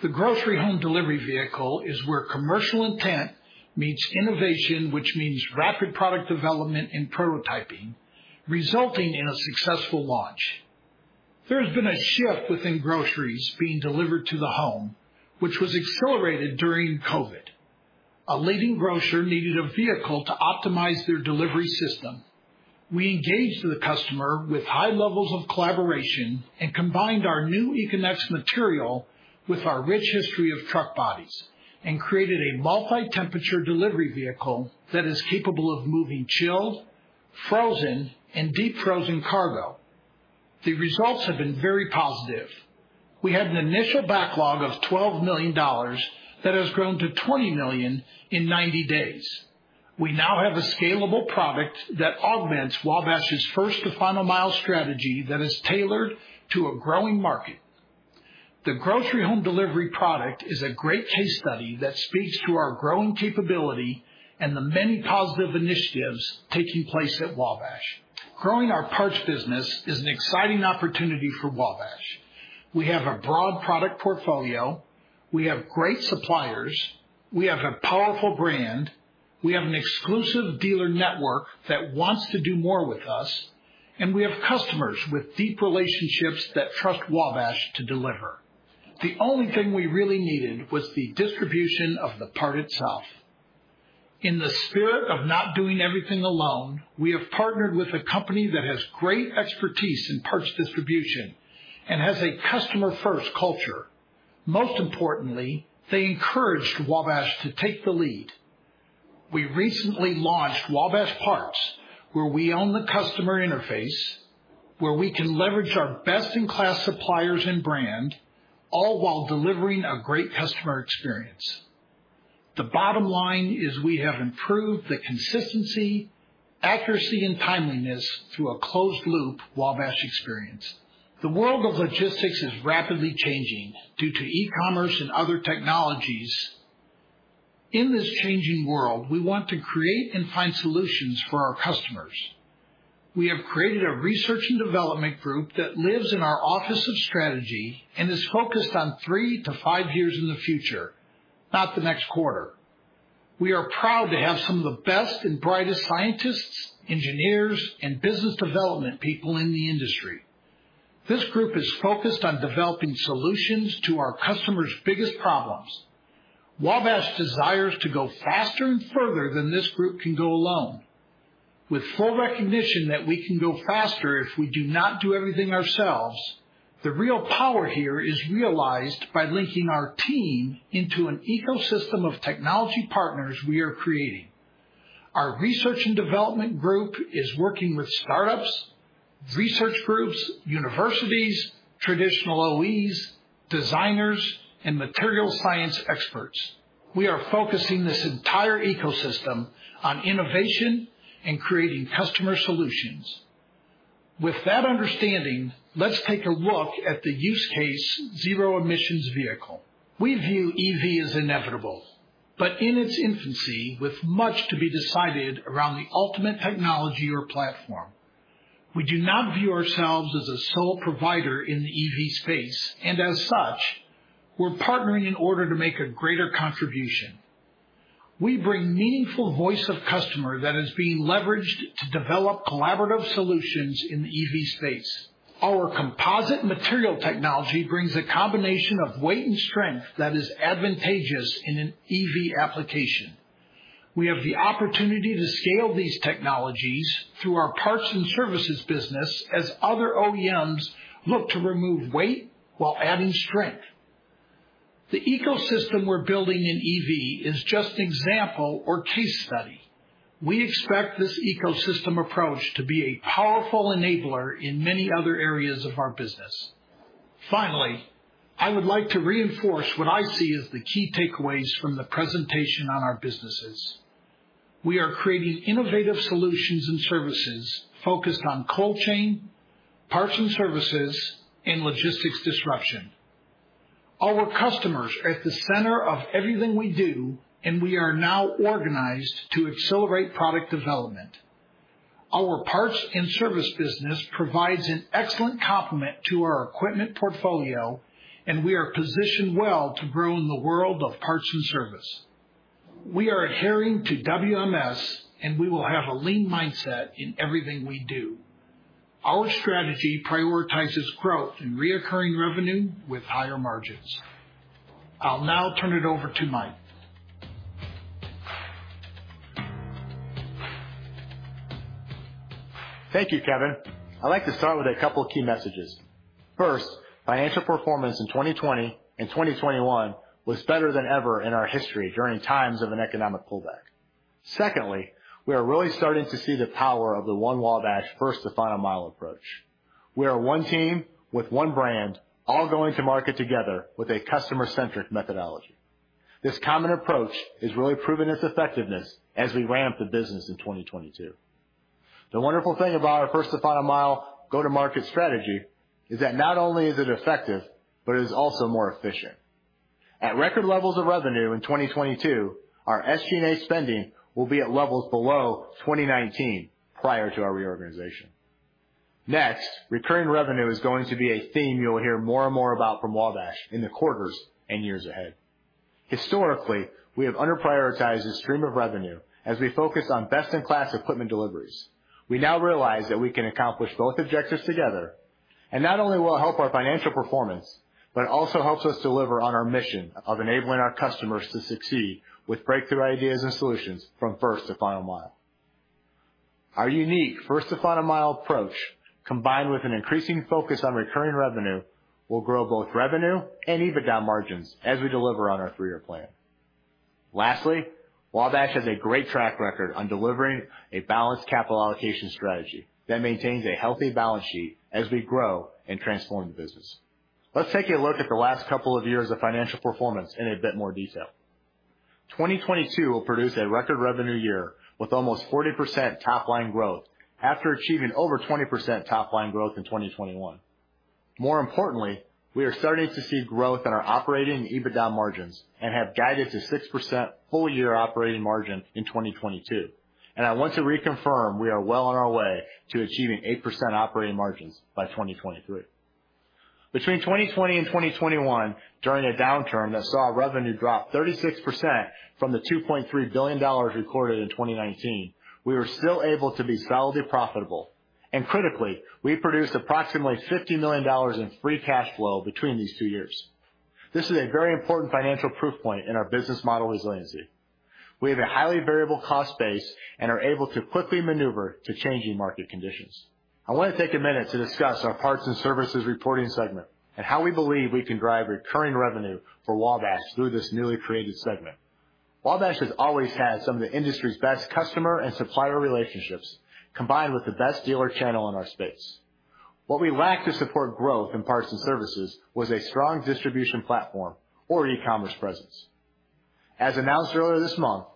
The grocery home delivery vehicle is where commercial intent meets innovation, which means rapid product development and prototyping, resulting in a successful launch. There has been a shift within groceries being delivered to the home, which was accelerated during COVID. A leading grocer needed a vehicle to optimize their delivery system. We engaged the customer with high levels of collaboration and combined our new EcoNex material with our rich history of truck bodies and created a multi-temperature delivery vehicle that is capable of moving chilled, frozen, and deep frozen cargo. The results have been very positive. We had an initial backlog of $12 million that has grown to $20 million in 90 days. We now have a scalable product that augments Wabash's first-to-final-mile strategy that is tailored to a growing market. The grocery home delivery product is a great case study that speaks to our growing capability and the many positive initiatives taking place at Wabash. Growing our parts business is an exciting opportunity for Wabash. We have a broad product portfolio. We have great suppliers. We have a powerful brand. We have an exclusive dealer network that wants to do more with us, and we have customers with deep relationships that trust Wabash to deliver. The only thing we really needed was the distribution of the part itself. In the spirit of not doing everything alone, we have partnered with a company that has great expertise in parts distribution and has a customer-first culture. Most importantly, they encouraged Wabash to take the lead. We recently launched Wabash Parts, where we own the customer interface, where we can leverage our best-in-class suppliers and brand, all while delivering a great customer experience. The bottom line is we have improved the consistency, accuracy, and timeliness through a closed loop Wabash experience. The world of logistics is rapidly changing due to e-commerce and other technologies. In this changing world, we want to create and find solutions for our customers. We have created a research and development group that lives in our office of strategy and is focused on three to five years in the future, not the next quarter. We are proud to have some of the best and brightest scientists, engineers, and business development people in the industry. This group is focused on developing solutions to our customers' biggest problems. Wabash desires to go faster and further than this group can go alone. With full recognition that we can go faster if we do not do everything ourselves, the real power here is realized by linking our team into an ecosystem of technology partners we are creating. Our research and development group is working with startups, research groups, universities, traditional OEs, designers, and material science experts. We are focusing this entire ecosystem on innovation and creating customer solutions. With that understanding, let's take a look at the use case zero emissions vehicle. We view EV as inevitable, but in its infancy with much to be decided around the ultimate technology or platform. We do not view ourselves as a sole provider in the EV space, and as such, we're partnering in order to make a greater contribution. We bring meaningful voice of customer that is being leveraged to develop collaborative solutions in the EV space. Our composite material technology brings a combination of weight and strength that is advantageous in an EV application. We have the opportunity to scale these technologies through our parts and services business as other OEMs look to remove weight while adding strength. The ecosystem we're building in EV is just an example or case study. We expect this ecosystem approach to be a powerful enabler in many other areas of our business. Finally, I would like to reinforce what I see as the key takeaways from the presentation on our businesses. We are creating innovative solutions and services focused on cold chain, parts and services, and logistics disruption. Our customers are at the center of everything we do, and we are now organized to accelerate product development. Our parts and service business provides an excellent complement to our equipment portfolio, and we are positioned well to grow in the world of parts and service. We are adhering to WMS, and we will have a lean mindset in everything we do. Our strategy prioritizes growth and recurring revenue with higher margins. I'll now turn it over to Mike. Thank you, Kevin. I'd like to start with a couple of key messages. First, financial performance in 2020 and 2021 was better than ever in our history during times of an economic pullback. Secondly, we are really starting to see the power of the One Wabash first-to-final-mile approach. We are one team with one brand, all going to market together with a customer-centric methodology. This common approach has really proven its effectiveness as we ramp the business in 2022. The wonderful thing about our first-to-final-mile go-to-market strategy is that not only is it effective, but it is also more efficient. At record levels of revenue in 2022, our SG&A spending will be at levels below 2019 prior to our reorganization. Next, recurring revenue is going to be a theme you'll hear more and more about from Wabash in the quarters and years ahead. Historically, we have under prioritized this stream of revenue as we focus on best-in-class equipment deliveries. We now realize that we can accomplish both objectives together, and not only will it help our financial performance, but it also helps us deliver on our mission of enabling our customers to succeed with breakthrough ideas and solutions from first-to-final-mile. Our unique first-to-final-mile approach, combined with an increasing focus on recurring revenue, will grow both revenue and EBITDA margins as we deliver on our three-year plan. Lastly, Wabash has a great track record on delivering a balanced capital allocation strategy that maintains a healthy balance sheet as we grow and transform the business. Let's take a look at the last couple of years of financial performance in a bit more detail. 2022 will produce a record revenue year with almost 40% top line growth after achieving over 20% top line growth in 2021. More importantly, we are starting to see growth in our operating EBITDA margins and have guided to 6% full year operating margin in 2022. I want to reconfirm we are well on our way to achieving 8% operating margins by 2023. Between 2020 and 2021, during a downturn that saw revenue drop 36% from the $2.3 billion recorded in 2019, we were still able to be solidly profitable. Critically, we produced approximately $50 million in free cash flow between these two years. This is a very important financial proof point in our business model resiliency. We have a highly variable cost base and are able to quickly maneuver to changing market conditions. I want to take a minute to discuss our parts and services reporting segment and how we believe we can drive recurring revenue for Wabash through this newly created segment. Wabash has always had some of the industry's best customer and supplier relationships, combined with the best dealer channel in our space. What we lack to support growth in parts and services was a strong distribution platform or e-commerce presence. As announced earlier this month,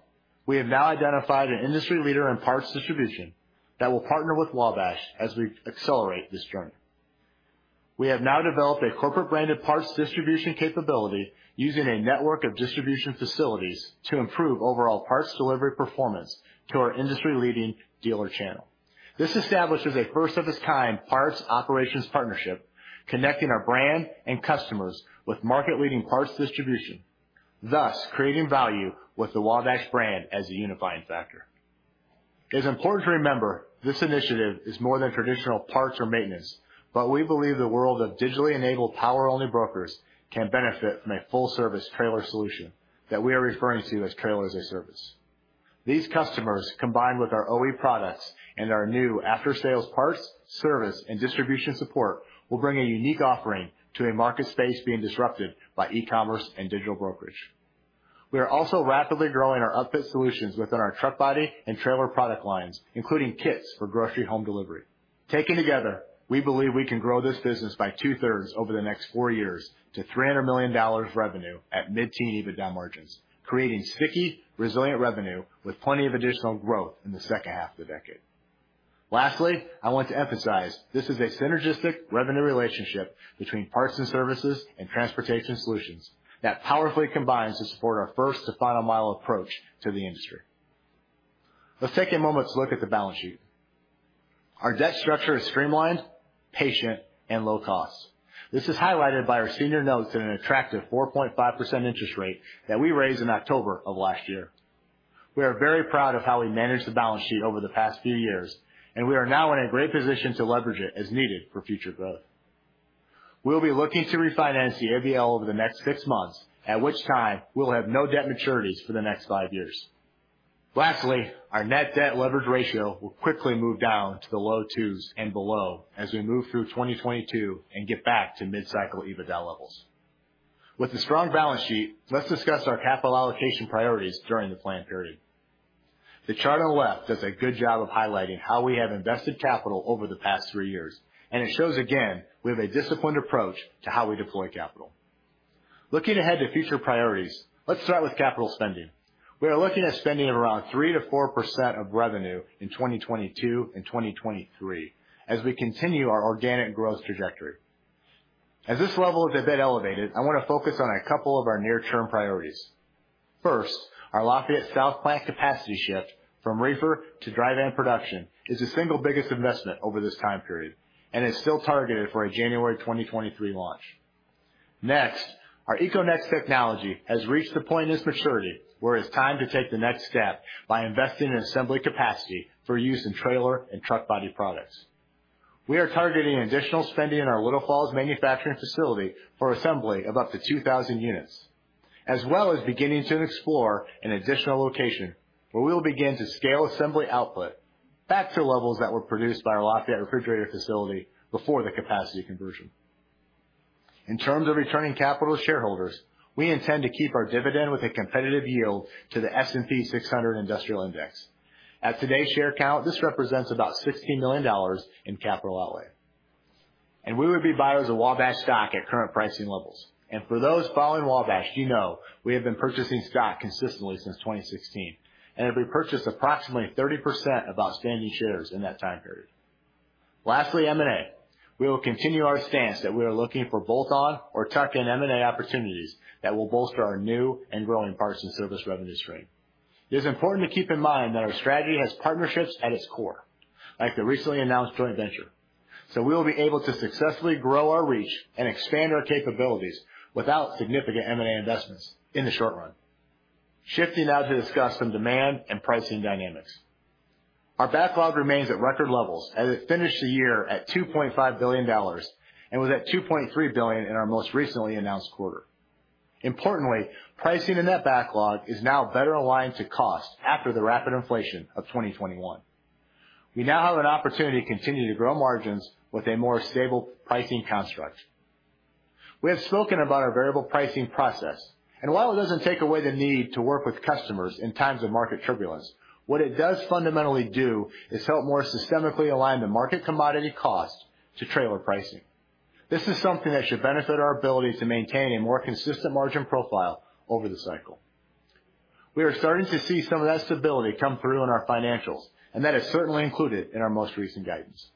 we have now identified an industry leader in parts distribution that will partner with Wabash as we accelerate this journey. We have now developed a corporate branded parts distribution capability using a network of distribution facilities to improve overall parts delivery performance to our industry-leading dealer channel. This establishes a first of its kind parts operations partnership, connecting our brand and customers with market-leading parts distribution, thus creating value with the Wabash brand as a unifying factor. It is important to remember this initiative is more than traditional parts or maintenance, but we believe the world of digitally enabled power-only brokers can benefit from a full service trailer solution that we are referring to as Trailer as a Service. These customers, combined with our OE products and our new after-sales parts, service, and distribution support, will bring a unique offering to a market space being disrupted by e-commerce and digital brokerage. We are also rapidly growing our upfit solutions within our truck body and trailer product lines, including kits for grocery home delivery. Taken together, we believe we can grow this business by 2/3 over the next four years to $300 million revenue at mid-teens EBITDA margins, creating sticky, resilient revenue with plenty of additional growth in the second half of the decade. Lastly, I want to emphasize this is a synergistic revenue relationship between parts and services and transportation solutions that powerfully combines to support our first to final mile approach to the industry. Let's take a moment to look at the balance sheet. Our debt structure is streamlined, patient, and low cost. This is highlighted by our senior notes at an attractive 4.5% interest rate that we raised in October of last year. We are very proud of how we managed the balance sheet over the past few years, and we are now in a great position to leverage it as needed for future growth. We'll be looking to refinance the ABL over the next six months, at which time we'll have no debt maturities for the next five years. Lastly, our net debt leverage ratio will quickly move down to the low two's and below as we move through 2022 and get back to mid-cycle EBITDA levels. With a strong balance sheet, let's discuss our capital allocation priorities during the plan period. The chart on the left does a good job of highlighting how we have invested capital over the past three years, and it shows, again, we have a disciplined approach to how we deploy capital. Looking ahead to future priorities, let's start with capital spending. We are looking at spending around 3%-4% of revenue in 2022 and 2023 as we continue our organic growth trajectory. As this level is a bit elevated, I want to focus on a couple of our near-term priorities. First, our Lafayette South Plant capacity shift from reefer to dry van production is the single biggest investment over this time period and is still targeted for a January 2023 launch. Next, our EcoNex technology has reached the point in its maturity where it's time to take the next step by investing in assembly capacity for use in trailer and truck body products. We are targeting additional spending in our Little Falls manufacturing facility for assembly of up to 2000 units, as well as beginning to explore an additional location where we will begin to scale assembly output back to levels that were produced by our Lafayette refrigerator facility before the capacity conversion. In terms of returning capital to shareholders, we intend to keep our dividend with a competitive yield to the S&P 600 industrial index. At today's share count, this represents about $16 million in capital outlay. We would be buyers of Wabash stock at current pricing levels. For those following Wabash, you know we have been purchasing stock consistently since 2016 and have repurchased approximately 30% of outstanding shares in that time period. Lastly, M&A. We will continue our stance that we are looking for bolt-on or tuck-in M&A opportunities that will bolster our new and growing parts and service revenue stream. It is important to keep in mind that our strategy has partnerships at its core, like the recently announced joint venture. We will be able to successfully grow our reach and expand our capabilities without significant M&A investments in the short run. Shifting now to discuss some demand and pricing dynamics. Our backlog remains at record levels as it finished the year at $2.5 billion and was at $2.3 billion in our most recently announced quarter. Importantly, pricing in that backlog is now better aligned to cost after the rapid inflation of 2021. We now have an opportunity to continue to grow margins with a more stable pricing construct. We have spoken about our variable pricing process, and while it doesn't take away the need to work with customers in times of market turbulence, what it does fundamentally do is help more systemically align the market commodity cost to trailer pricing. This is something that should benefit our ability to maintain a more consistent margin profile over the cycle. We are starting to see some of that stability come through in our financials, and that is certainly included in our most recent guidance.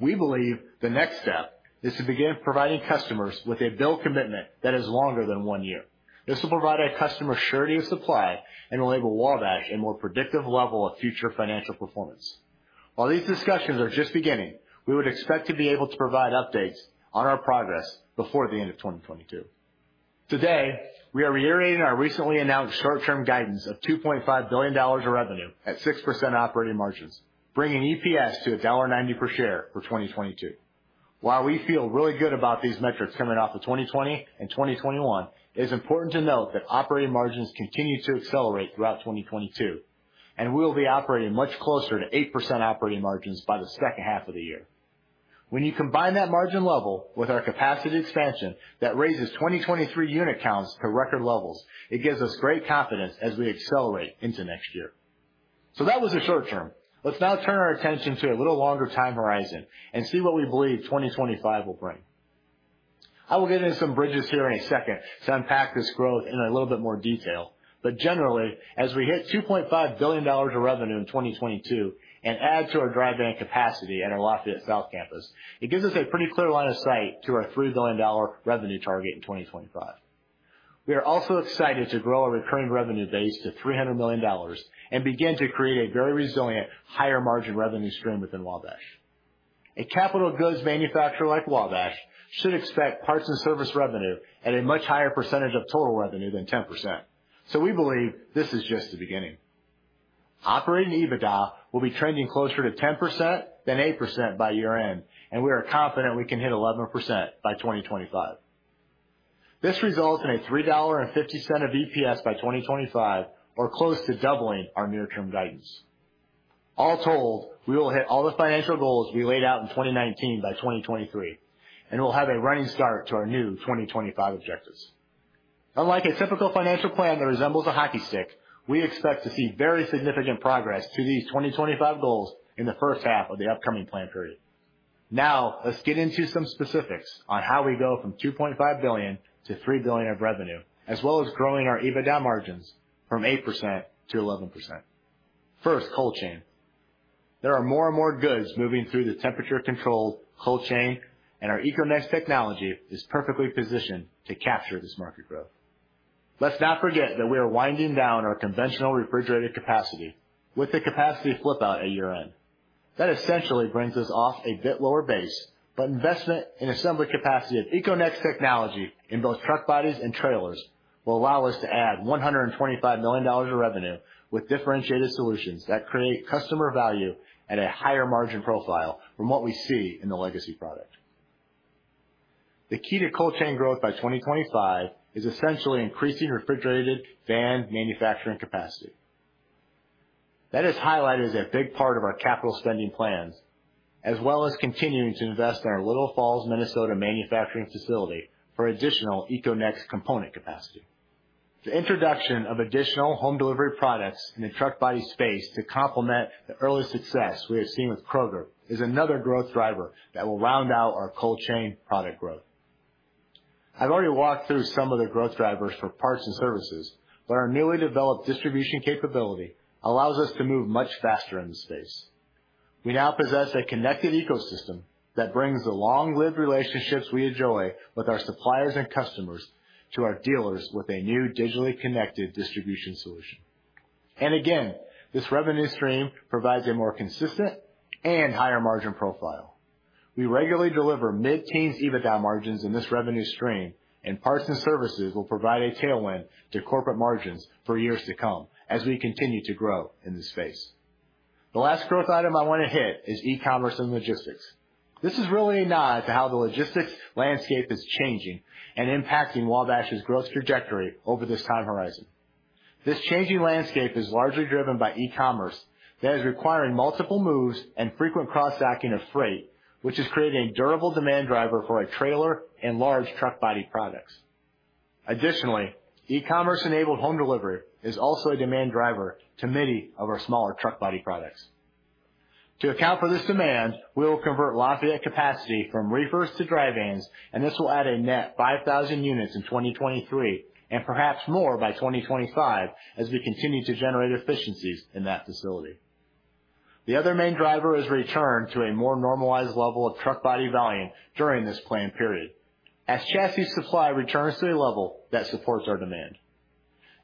We believe the next step is to begin providing customers with a bill commitment that is longer than one year. This will provide our customer surety of supply and will enable Wabash a more predictive level of future financial performance. While these discussions are just beginning, we would expect to be able to provide updates on our progress before the end of 2022. Today, we are reiterating our recently announced short-term guidance of $2.5 billion of revenue at 6% operating margins, bringing EPS to $1.90 per share for 2022. While we feel really good about these metrics coming off of 2020 and 2021, it is important to note that operating margins continue to accelerate throughout 2022, and we'll be operating much closer to 8% operating margins by the second half of the year. When you combine that margin level with our capacity expansion that raises 2023 unit counts to record levels, it gives us great confidence as we accelerate into next year. That was the short term. Let's now turn our attention to a little longer time horizon and see what we believe 2025 will bring. I will get into some bridges here in a second to unpack this growth in a little bit more detail. Generally, as we hit $2.5 billion of revenue in 2022 and add to our dry van capacity at our Lafayette South Campus, it gives us a pretty clear line of sight to our $3 billion revenue target in 2025. We are also excited to grow our recurring revenue base to $300 million and begin to create a very resilient higher margin revenue stream within Wabash. A capital goods manufacturer like Wabash should expect parts and service revenue at a much higher percentage of total revenue than 10%. We believe this is just the beginning. Operating EBITDA will be trending closer to 10% than 8% by year-end, and we are confident we can hit 11% by 2025. This results in $3.50 EPS by 2025 or close to doubling our near term guidance. All told, we will hit all the financial goals we laid out in 2019 by 2023, and we'll have a running start to our new 2025 objectives. Unlike a typical financial plan that resembles a hockey stick, we expect to see very significant progress to these 2025 goals in the first half of the upcoming plan period. Now, let's get into some specifics on how we go from $2.5 billion- $3 billion of revenue, as well as growing our EBITDA margins from 8%-11%. First, cold chain. There are more and more goods moving through the temperature-controlled cold chain, and our EcoNex technology is perfectly positioned to capture this market growth. Let's not forget that we are winding down our conventional refrigerated capacity with a capacity flip-out at year-end. That essentially brings us off a bit lower base, but investment in assembly capacity of EcoNex technology in both truck bodies and trailers will allow us to add $125 million of revenue with differentiated solutions that create customer value at a higher margin profile from what we see in the legacy product. The key to cold chain growth by 2025 is essentially increasing refrigerated van manufacturing capacity. That is highlighted as a big part of our capital spending plans, as well as continuing to invest in our Little Falls, Minnesota manufacturing facility for additional EcoNex component capacity. The introduction of additional home delivery products in the truck body space to complement the early success we have seen with Kroger is another growth driver that will round out our cold chain product growth. I've already walked through some of the growth drivers for parts and services, but our newly developed distribution capability allows us to move much faster in the space. We now possess a connected ecosystem that brings the long-lived relationships we enjoy with our suppliers and customers to our dealers with a new digitally connected distribution solution. Again, this revenue stream provides a more consistent and higher margin profile. We regularly deliver mid-teens EBITDA margins in this revenue stream, and parts and services will provide a tailwind to corporate margins for years to come as we continue to grow in this space. The last growth item I want to hit is e-commerce and logistics. This is really a nod to how the logistics landscape is changing and impacting Wabash's growth trajectory over this time horizon. This changing landscape is largely driven by e-commerce that is requiring multiple moves and frequent cross-docking of freight, which is creating a durable demand driver for our trailer and large truck body products. Additionally, e-commerce-enabled home delivery is also a demand driver to many of our smaller truck body products. To account for this demand, we will convert Lafayette capacity from reefers to dry vans, and this will add a net 5,000 units in 2023 and perhaps more by 2025 as we continue to generate efficiencies in that facility. The other main driver is return to a more normalized level of truck body volume during this plan period as chassis supply returns to a level that supports our demand.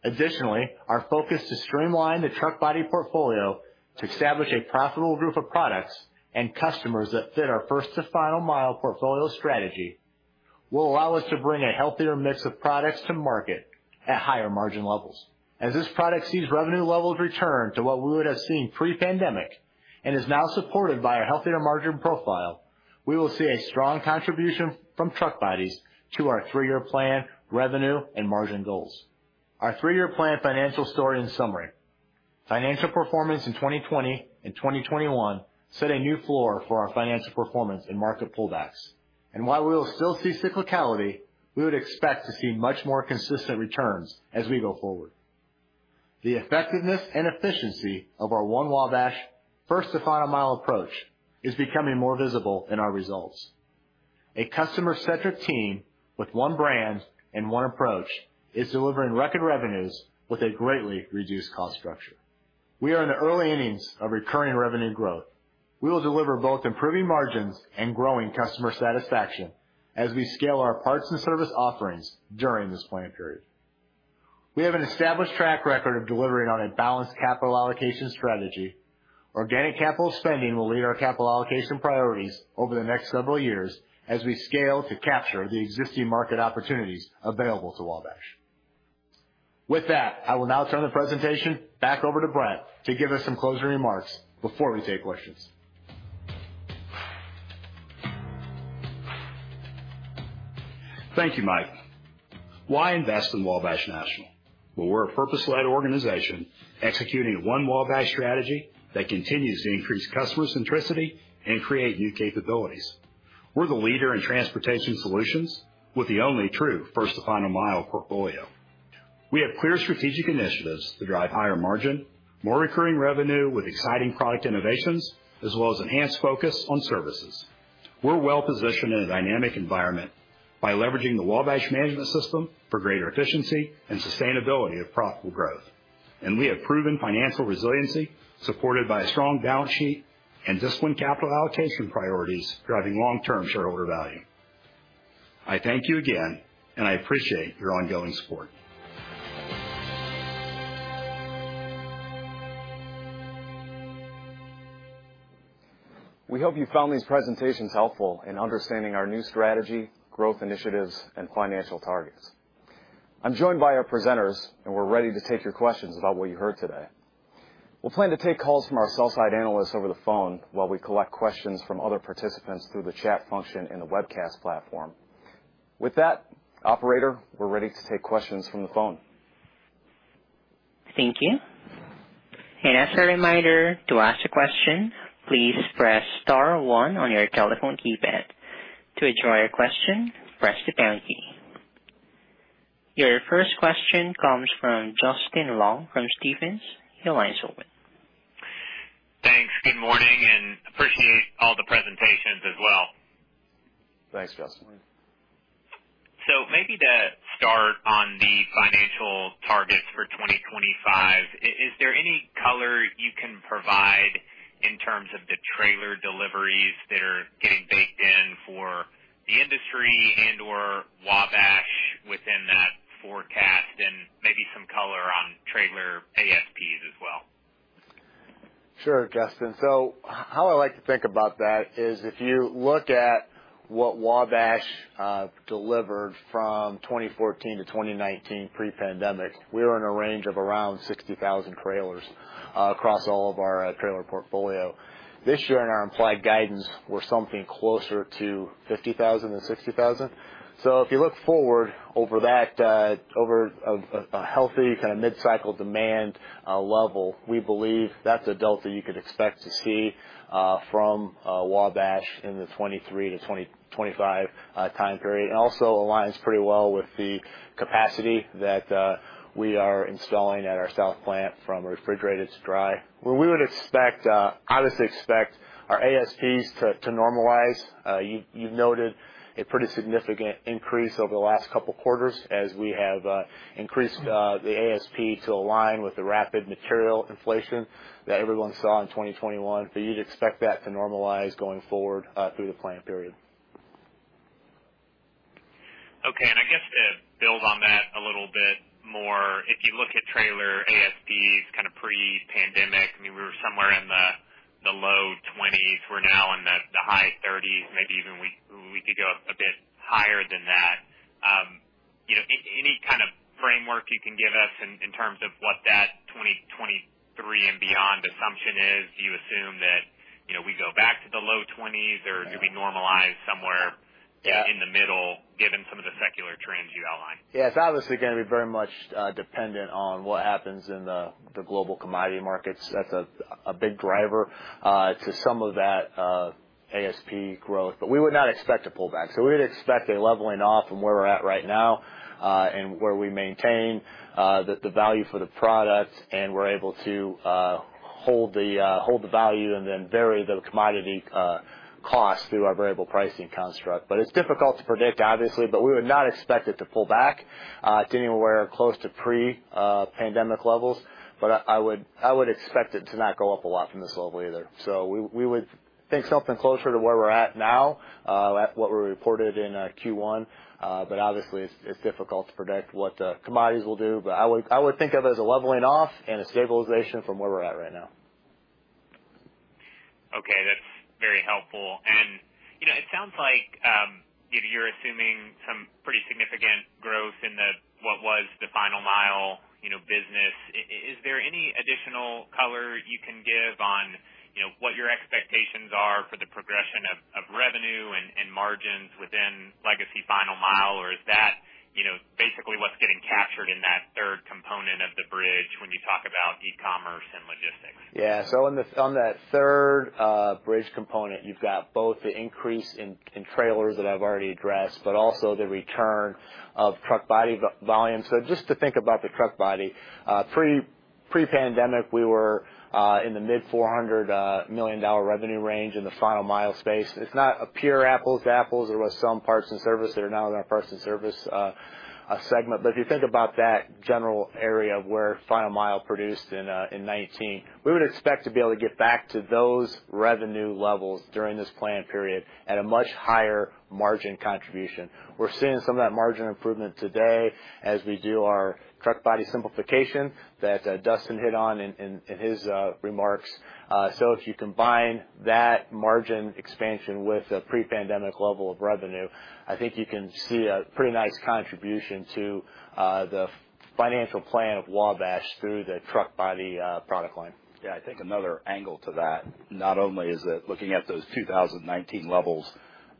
Additionally, our focus to streamline the truck body portfolio to establish a profitable group of products and customers that fit our first to final mile portfolio strategy will allow us to bring a healthier mix of products to market at higher margin levels. As this product sees revenue levels return to what we would have seen pre-pandemic and is now supported by a healthier margin profile, we will see a strong contribution from truck bodies to our three-year plan revenue and margin goals. Our three-year plan financial story in summary. Financial performance in 2020 and 2021 set a new floor for our financial performance in market pullbacks. While we will still see cyclicality, we would expect to see much more consistent returns as we go forward. The effectiveness and efficiency of our One Wabash first-to-final-mile approach is becoming more visible in our results. A customer-centric team with one brand and one approach is delivering record revenues with a greatly reduced cost structure. We are in the early innings of recurring revenue growth. We will deliver both improving margins and growing customer satisfaction as we scale our parts and service offerings during this plan period. We have an established track record of delivering on a balanced capital allocation strategy. Organic capital spending will lead our capital allocation priorities over the next several years as we scale to capture the existing market opportunities available to Wabash. With that, I will now turn the presentation back over to Brent to give us some closing remarks before we take questions. Thank you, Mike. Why invest in Wabash National? Well, we're a purpose-led organization executing One Wabash strategy that continues to increase customer centricity and create new capabilities. We're the leader in Transportation Solutions with the only true first-to-final mile portfolio. We have clear strategic initiatives to drive higher margin, more recurring revenue with exciting product innovations, as well as enhanced focus on services. We're well positioned in a dynamic environment by leveraging the Wabash Management System for greater efficiency and sustainability of profitable growth. We have proven financial resiliency, supported by a strong balance sheet and disciplined capital allocation priorities driving long-term shareholder value. I thank you again, and I appreciate your ongoing support. We hope you found these presentations helpful in understanding our new strategy, growth initiatives, and financial targets. I'm joined by our presenters, and we're ready to take your questions about what you heard today. We'll plan to take calls from our sell-side analysts over the phone while we collect questions from other participants through the chat function in the webcast platform. With that, operator, we're ready to take questions from the phone. Thank you. As a reminder, to ask a question, please press star one on your telephone keypad. To withdraw your question, press the pound key. Your first question comes from Justin Long from Stephens. Your line is open. Thanks. Good morning, and appreciate all the presentations as well. Thanks, Justin. Maybe to start on the financial targets for 2025, is there any color you can provide in terms of the trailer deliveries that are getting baked in for the industry and/or Wabash within that forecast? Maybe some color on trailer ASPs as well. Sure, Justin. How I like to think about that is if you look at what Wabash delivered from 2014 to 2019 pre-pandemic, we were in a range of around 60,000 trailers across all of our trailer portfolio. This year in our implied guidance, we're something closer to 50,000 than 60,000. If you look forward over that, over a healthy kind of mid-cycle demand level, we believe that's a delta you could expect to see from Wabash in the 2023 to 2025 time period, and also aligns pretty well with the capacity that we are installing at our south plant from refrigerated to dry, where we would expect obviously expect our ASPs to normalize. You noted a pretty significant increase over the last couple quarters as we have increased the ASP to align with the rapid material inflation that everyone saw in 2021. You'd expect that to normalize going forward through the plan period. Okay. I guess to build on that a little bit more, if you look at trailer ASPs kind of pre-pandemic, I mean, we were somewhere in the low 20s. We're now in the high 30s, maybe even we could go a bit higher than that. You know, any kind of framework you can give us in terms of what that 2023 and beyond assumption is? Do you assume that, you know, we go back to the low 20s, or do we normalize somewhere? Yeah. in the middle, given some of the secular trends you outlined? Yeah. It's obviously gonna be very much dependent on what happens in the global commodity markets. That's a big driver to some of that ASP growth. We would not expect a pullback. We would expect a leveling off from where we're at right now, and where we maintain the value for the products and we're able to hold the value and then vary the commodity cost through our variable pricing construct. It's difficult to predict, obviously, but we would not expect it to pull back to anywhere close to pre-pandemic levels. I would expect it to not go up a lot from this level either. We would think something closer to where we're at now, at what we reported in Q1. Obviously, it's difficult to predict what commodities will do. I would think of it as a leveling off and a stabilization from where we're at right now. Okay, that's very helpful. You know, it sounds like you know, you're assuming some pretty significant growth in the final-mile business. Is there any additional color you can give on what your expectations are for the progression of revenue and margins within legacy final-mile? Is that basically what's getting captured in that third component of the bridge when you talk about e-commerce and logistics? Yeah. In the on that third bridge component, you've got both the increase in trailers that I've already addressed, but also the return of truck body volume. Just to think about the truck body, pre-pandemic, we were in the mid-$400 million revenue range in the final-mile space. It's not a pure apples to apples. There was some parts and service that are now in our Parts and Service segment. If you think about that general area of where final mile produced in 2019, we would expect to be able to get back to those revenue levels during this plan period at a much higher margin contribution. We're seeing some of that margin improvement today as we do our truck body simplification that Dustin hit on in his remarks. If you combine that margin expansion with the pre-pandemic level of revenue, I think you can see a pretty nice contribution to the financial plan of Wabash through the truck body product line. Yeah. I think another angle to that, not only is it looking at those 2019 levels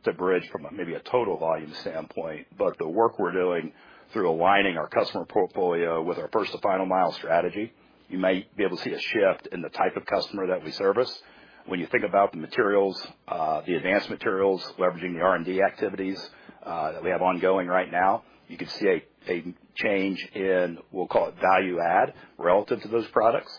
to bridge from a, maybe a total volume standpoint, but the work we're doing through aligning our customer portfolio with our first to final mile strategy, you might be able to see a shift in the type of customer that we service. When you think about the materials, the advanced materials, leveraging the R&D activities that we have ongoing right now, you could see a change in, we'll call it value add relative to those products.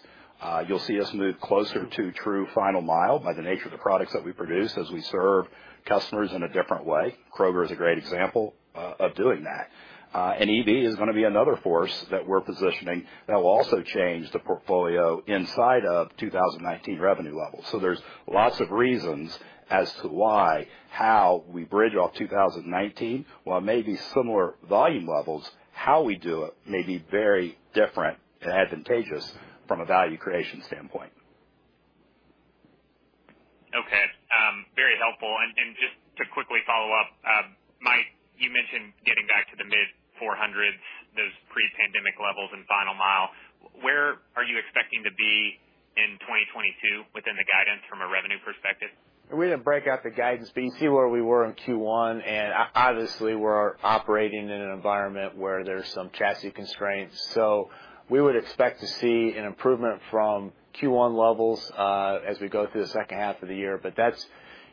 You'll see us move closer to true final mile by the nature of the products that we produce as we serve customers in a different way. Kroger is a great example of doing that. EV is gonna be another force that we're positioning that will also change the portfolio inside of 2019 revenue levels. There's lots of reasons as to why, how we bridge off 2019. While it may be similar volume levels, how we do it may be very different and advantageous from a value creation standpoint. Okay. Very helpful. Just to quickly follow up, Mike, you mentioned getting back to the mid-400s, those pre-pandemic levels in final mile. Where are you expecting to be in 2022 within the guidance from a revenue perspective? We didn't break out the guidance, but you can see where we were in Q1. Obviously, we're operating in an environment where there's some chassis constraints. We would expect to see an improvement from Q1 levels as we go through the second half of the year. That's,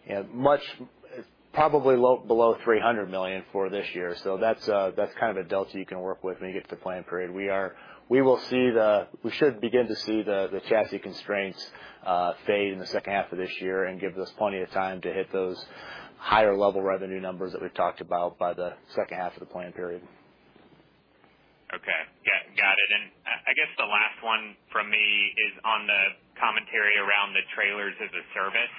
you know, probably below $300 million for this year. That's kind of a delta you can work with when you get to the plan period. We should begin to see the chassis constraints fade in the second half of this year and give us plenty of time to hit those higher level revenue numbers that we've talked about by the second half of the plan period. Okay. Yeah, got it. I guess the last one from me is on the commentary around the Trailers as a Service.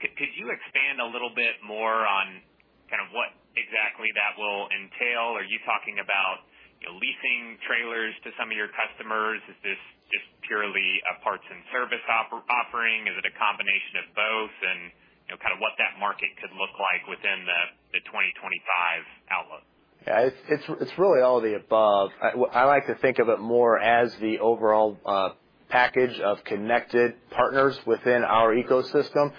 Could you expand a little bit more on kind of what exactly that will entail? Are you talking about, you know, leasing trailers to some of your customers? Is this just purely a parts and service offering? Is it a combination of both? You know, kind of what that market could look like within the 2025 outlook. Yeah. It's really all of the above. I like to think of it more as the overall package of connected partners within our ecosystem.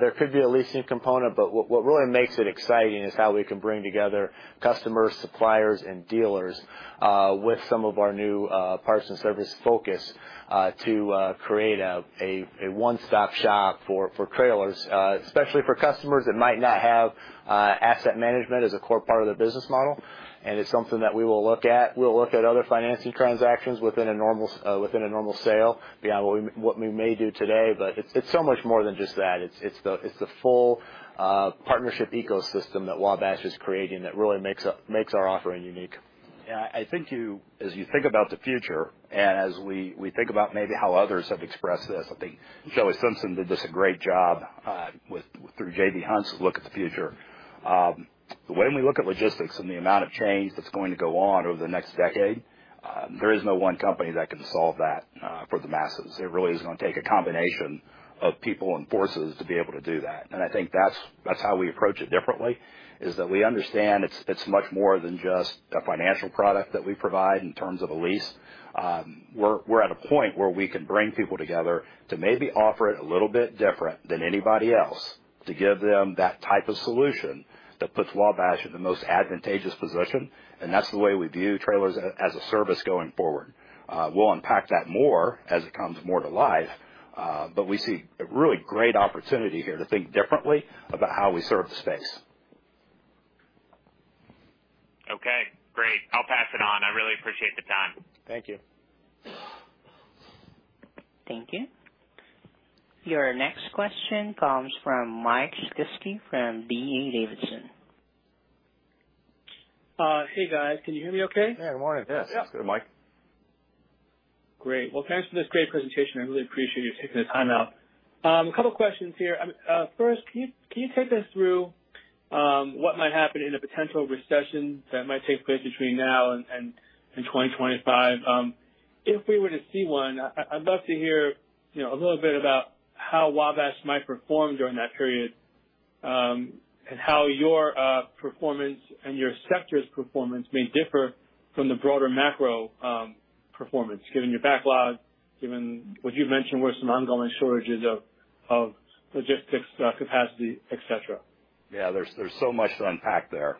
There could be a leasing component, but what really makes it exciting is how we can bring together customers, suppliers, and dealers with some of our new parts and service focus to create a one-stop shop for trailers, especially for customers that might not have asset management as a core part of their business model. It's something that we will look at. We'll look at other financing transactions within a normal sale beyond what we may do today, but it's so much more than just that. It's the full partnership ecosystem that Wabash is creating that really makes our offering unique. Yeah, I think you, as you think about the future and as we think about maybe how others have expressed this, I think John Roberts did just a great job through J.B. Hunt's look at the future. The way we look at logistics and the amount of change that's going to go on over the next decade, there is no one company that can solve that for the masses. It really is gonna take a combination of people and forces to be able to do that. I think that's how we approach it differently, is that we understand it's much more than just a financial product that we provide in terms of a lease. We're at a point where we can bring people together to maybe offer it a little bit different than anybody else to give them that type of solution that puts Wabash in the most advantageous position, and that's the way we view Trailers as a Service going forward. We'll unpack that more as it comes more to life, but we see a really great opportunity here to think differently about how we serve the space. Okay, great. I'll pass it on. I really appreciate the time. Thank you. Thank you. Your next question comes from Mike Shlisky from D.A. Davidson. Hey, guys. Can you hear me okay? Yeah. Morning. Yes. (crosstalk) (crosstalk) Good. Mike. Great. Well, thanks for this great presentation. I really appreciate you taking the time out. A couple questions here. First, can you take us through what might happen in a potential recession that might take place between now and 2025? If we were to see one, I'd love to hear, you know, a little bit about how Wabash might perform during that period, and how your performance and your sector's performance may differ from the broader macro performance, given your backlog, given what you've mentioned were some ongoing shortages of logistics capacity, etc. There's so much to unpack there.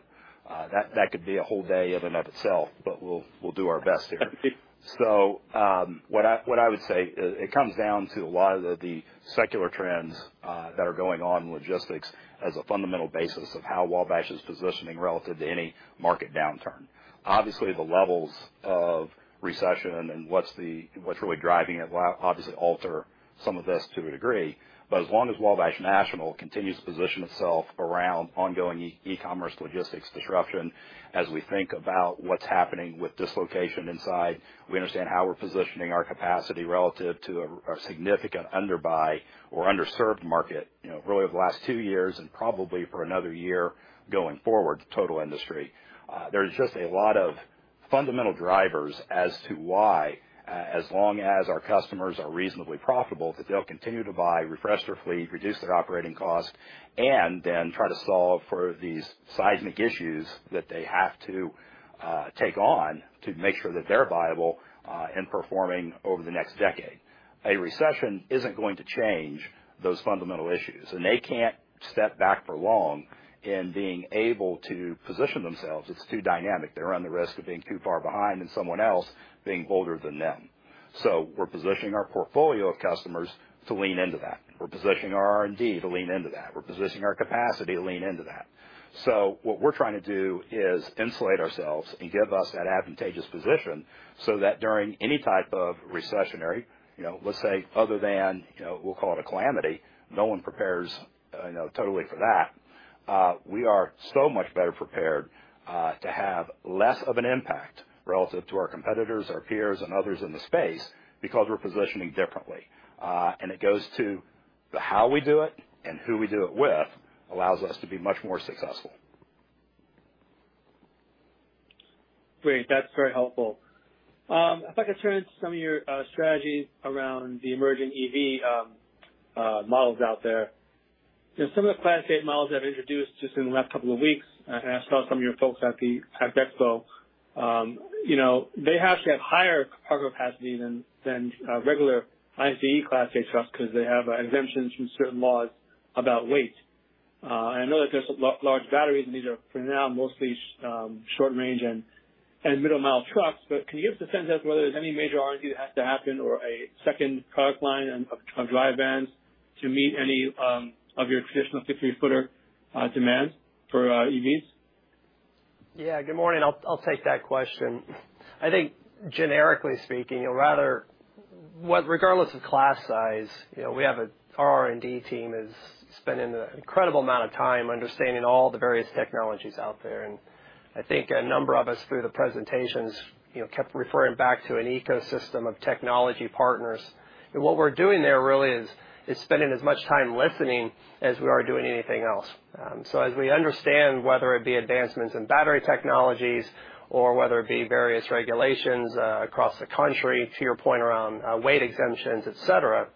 That could be a whole day event itself, but we'll do our best here. What I would say is it comes down to a lot of the secular trends that are going on in logistics as a fundamental basis of how Wabash is positioning relative to any market downturn. Obviously, the levels of recession and what's really driving it will obviously alter some of this to a degree. As long as Wabash National continues to position itself around ongoing e-commerce logistics disruption, as we think about what's happening with dislocation inside, we understand how we're positioning our capacity relative to a significant underbuy or underserved market, you know, really over the last two years and probably for another year going forward, total industry. There's just a lot of fundamental drivers as to why, as long as our customers are reasonably profitable, that they'll continue to buy, refresh their fleet, reduce their operating costs, and then try to solve for these seismic issues that they have to take on to make sure that they're viable in performing over the next decade. A recession isn't going to change those fundamental issues, and they can't step back for long in being able to position themselves. It's too dynamic. They run the risk of being too far behind and someone else being bolder than them. We're positioning our portfolio of customers to lean into that. We're positioning our R&D to lean into that. We're positioning our capacity to lean into that. What we're trying to do is insulate ourselves and give us that advantageous position so that during any type of recessionary, you know, let's say other than, you know, we'll call it a calamity, no one prepares, you know, totally for that. We are so much better prepared to have less of an impact relative to our competitors, our peers, and others in the space because we're positioning differently. It goes to the how we do it and who we do it with allows us to be much more successful. Great. That's very helpful. If I could turn to some of your strategies around the emerging EV models out there. You know, some of the Class eight models that introduced just in the last couple of weeks, and I saw some of your folks at the ACT Expo. You know, they actually have higher cargo capacity than regular ICE Class 8 trucks 'cause they have exemptions from certain laws about weight. I know that there's large batteries, and these are for now mostly short range and middle mile trucks, but can you give us a sense as to whether there's any major R&D that has to happen or a second product line on dry vans to meet any of your traditional 50-footer demands for EVs? Yeah. Good morning. I'll take that question. I think generically speaking, you know, regardless of class size, you know, we have our R&D team is spending an incredible amount of time understanding all the various technologies out there. I think a number of us through the presentations, you know, kept referring back to an ecosystem of technology partners. What we're doing there really is spending as much time listening as we are doing anything else. As we understand whether it be advancements in battery technologies or whether it be various regulations across the country, to your point around weight exemptions, et cetera,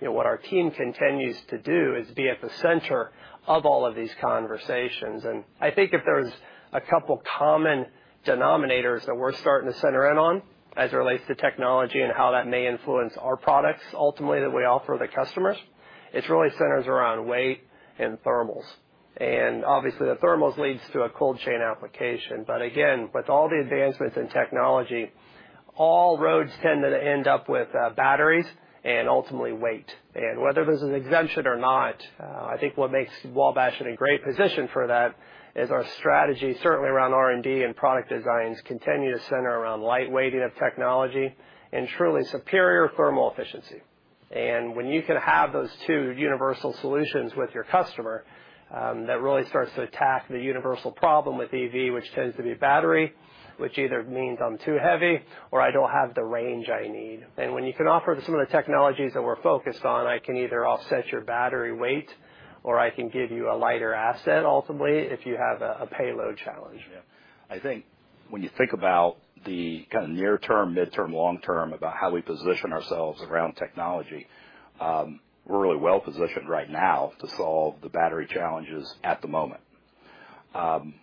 you know, what our team continues to do is be at the center of all of these conversations. I think if there's a couple common denominators that we're starting to center in on as it relates to technology and how that may influence our products ultimately that we offer the customers, it really centers around weight and thermals. Obviously, the thermals leads to a cold chain application. Again, with all the advancements in technology, all roads tend to end up with, batteries and ultimately weight. Whether there's an exemption or not, I think what makes Wabash in a great position for that is our strategy, certainly around R&D and product designs, continue to center around light-weighting of technology and truly superior thermal efficiency. When you can have those two universal solutions with your customer, that really starts to attack the universal problem with EV, which tends to be battery, which either means I'm too heavy or I don't have the range I need. When you can offer some of the technologies that we're focused on, I can either offset your battery weight or I can give you a lighter asset, ultimately, if you have a payload challenge. Yeah. I think when you think about the kind of near-term, mid-term, long-term about how we position ourselves around technology, we're really well positioned right now to solve the battery challenges at the moment.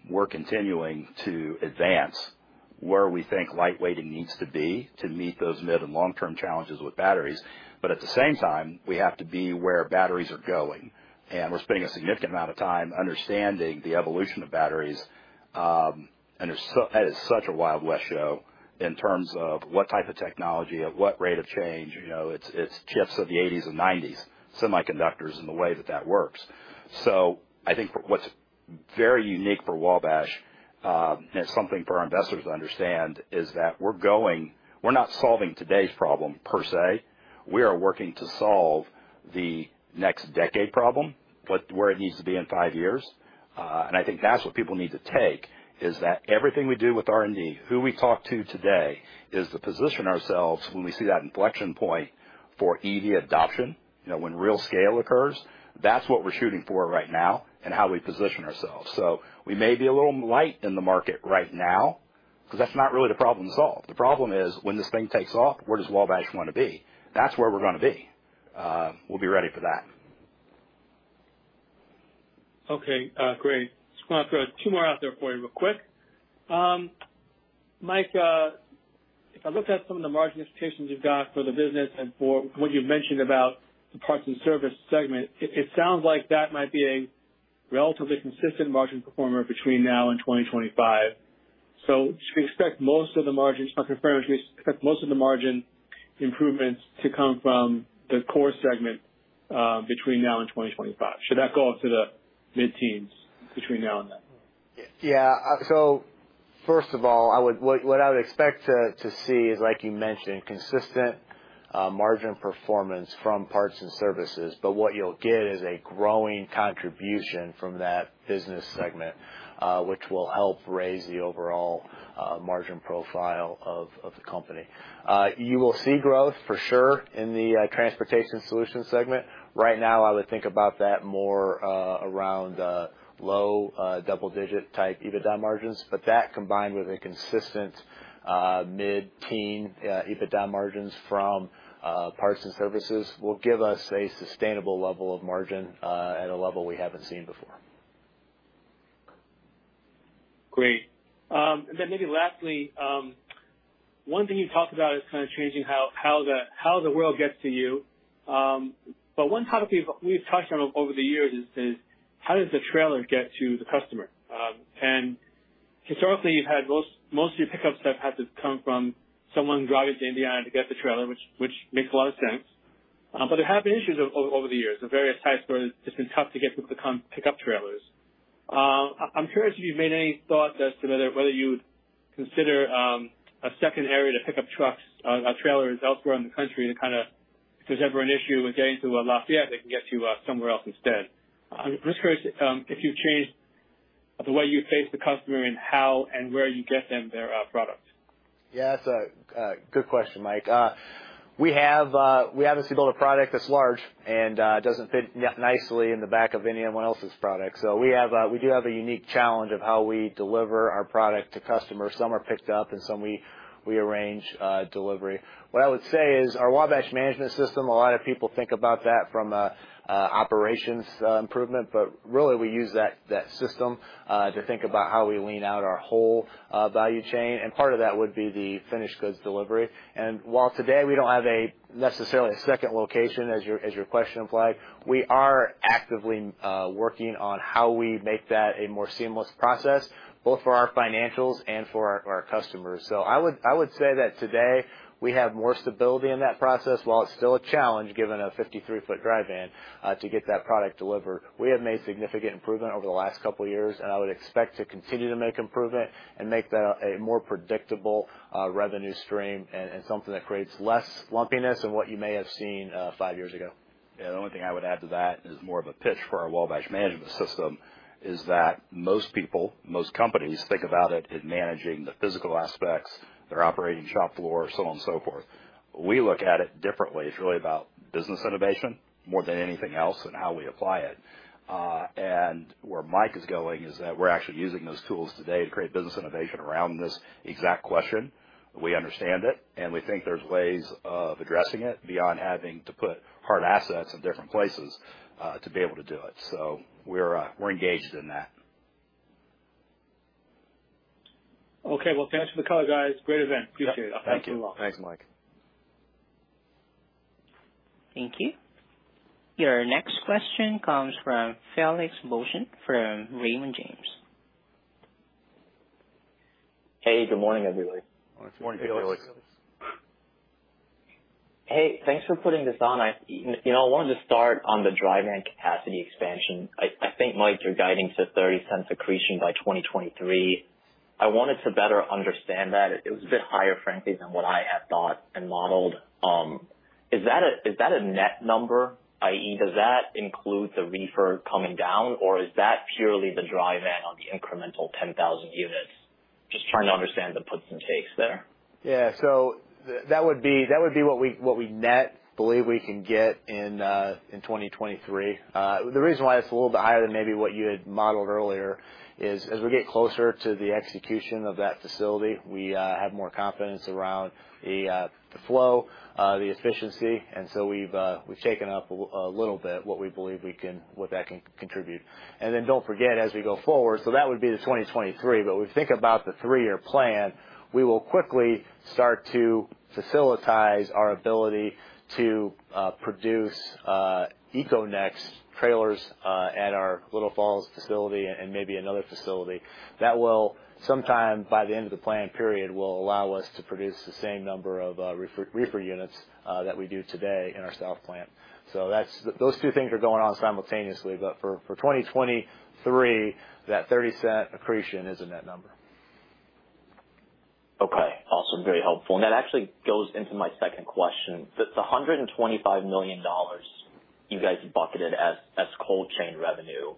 We're continuing to advance where we think light-weighting needs to be to meet those mid and long-term challenges with batteries. At the same time, we have to be where batteries are going, and we're spending a significant amount of time understanding the evolution of batteries. It's such a Wild West show in terms of what type of technology, at what rate of change. You know, it's chips of the eighties and nineties semiconductors and the way that works. I think for what's very unique for Wabash, and it's something for our investors to understand, is that we're not solving today's problem per se. We are working to solve the next decade problem, where it needs to be in five years. I think that's what people need to take, is that everything we do with R&D, who we talk to today, is to position ourselves when we see that inflection point for EV adoption, you know, when real scale occurs. That's what we're shooting for right now and how we position ourselves. We may be a little light in the market right now, 'cause that's not really the problem to solve. The problem is, when this thing takes off, where does Wabash wanna be? That's where we're gonna be. We'll be ready for that. Okay. Great. Just wanna throw two more out there for you real quick. Mike, if I looked at some of the margin expectations you've got for the business and for what you've mentioned about the parts and service segment, it sounds like that might be a relatively consistent margin performer between now and 2025. Should we expect most of the margin improvements to come from the core segment between now and 2025? Should that go up to the mid-teens between now and then? Yeah. First of all, what I would expect to see is, like you mentioned, consistent margin performance from parts and services. What you'll get is a growing contribution from that business segment, which will help raise the overall margin profile of the company. You will see growth for sure in the transportation solutions segment. Right now, I would think about that more around low double digit type EBITDA margins. That combined with a consistent mid-teen EBITDA margins from parts and services will give us a sustainable level of margin at a level we haven't seen before. Great. Then maybe lastly, one thing you talked about is kind of changing how the world gets to you. One topic we've touched on over the years is how does the trailer get to the customer? Historically, you've had most of your pickups have had to come from someone driving to Indiana to get the trailer, which makes a lot of sense. There have been issues over the years at various times where it's just been tough to get people to come pick up trailers. I'm curious if you've made any thought as to whether you would consider a second area to pick up trucks, trailers elsewhere in the country to kind-a, if there's ever an issue with getting to Lafayette, they can get to somewhere else instead. I'm just curious if you've changed the way you face the customer and how and where you get them their product. Yeah, that's a good question, Mike. We obviously build a product that's large and doesn't fit nicely in the back of anyone else's product. We have a unique challenge of how we deliver our product to customers. Some are picked up and some we arrange delivery. What I would say is our Wabash Management System, a lot of people think about that from an operations improvement, but really we use that system to think about how we lean out our whole value chain, and part of that would be the finished goods delivery. While today we don't have necessarily a second location as your question implied, we are actively working on how we make that a more seamless process, both for our financials and for our customers. I would say that today we have more stability in that process. While it's still a challenge, given a 53 ft dry van to get that product delivered, we have made significant improvement over the last couple years, and I would expect to continue to make improvement and make that a more predictable revenue stream and something that creates less lumpiness than what you may have seen five years ago. Yeah. The only thing I would add to that is more of a pitch for our Wabash Management System, is that most people, most companies think about it in managing the physical aspects, their operating shop floor, so on and so forth. We look at it differently. It's really about business innovation more than anything else and how we apply it. And where Mike is going is that we're actually using those tools today to create business innovation around this exact question. We understand it, and we think there's ways of addressing it beyond having to put hard assets in different places, to be able to do it. We're engaged in that. Okay. Well, thanks for the color, guys. Great event. Appreciate it. Yeah. Thank you. Thanks a lot. Thanks, Mike. Thank you. Your next question comes from Felix Boeschen from Raymond James. Hey, good morning, everybody. Morning, Felix. Morning, Felix. Hey, thanks for putting this on. You know, I wanted to start on the dry van capacity expansion. I think, Mike, you're guiding to $0.30 accretion by 2023. I wanted to better understand that. It was a bit higher, frankly, than what I had thought and modeled. Is that a net number, i.e., does that include the reefer coming down, or is that purely the dry van on the incremental 10,000 units? Just trying to understand the puts and takes there. Yeah. That would be what we believe we can net in 2023. The reason why it's a little bit higher than maybe what you had modeled earlier is, as we get closer to the execution of that facility, we have more confidence around the flow, the efficiency. We've taken up a little bit what that can contribute. Don't forget, as we go forward, that would be the 2023, but when we think about the three-year plan, we will quickly start to facilitate our ability to produce EcoNex trailers at our Little Falls facility and maybe another facility. That will, sometime by the end of the plan period, allow us to produce the same number of reefer units that we do today in our south plant. That's those two things are going on simultaneously. For 2023, that $0.30 accretion is a net number. Okay. Awesome. Very helpful. That actually goes into my second question. The $125 million you guys bucketed as cold chain revenue,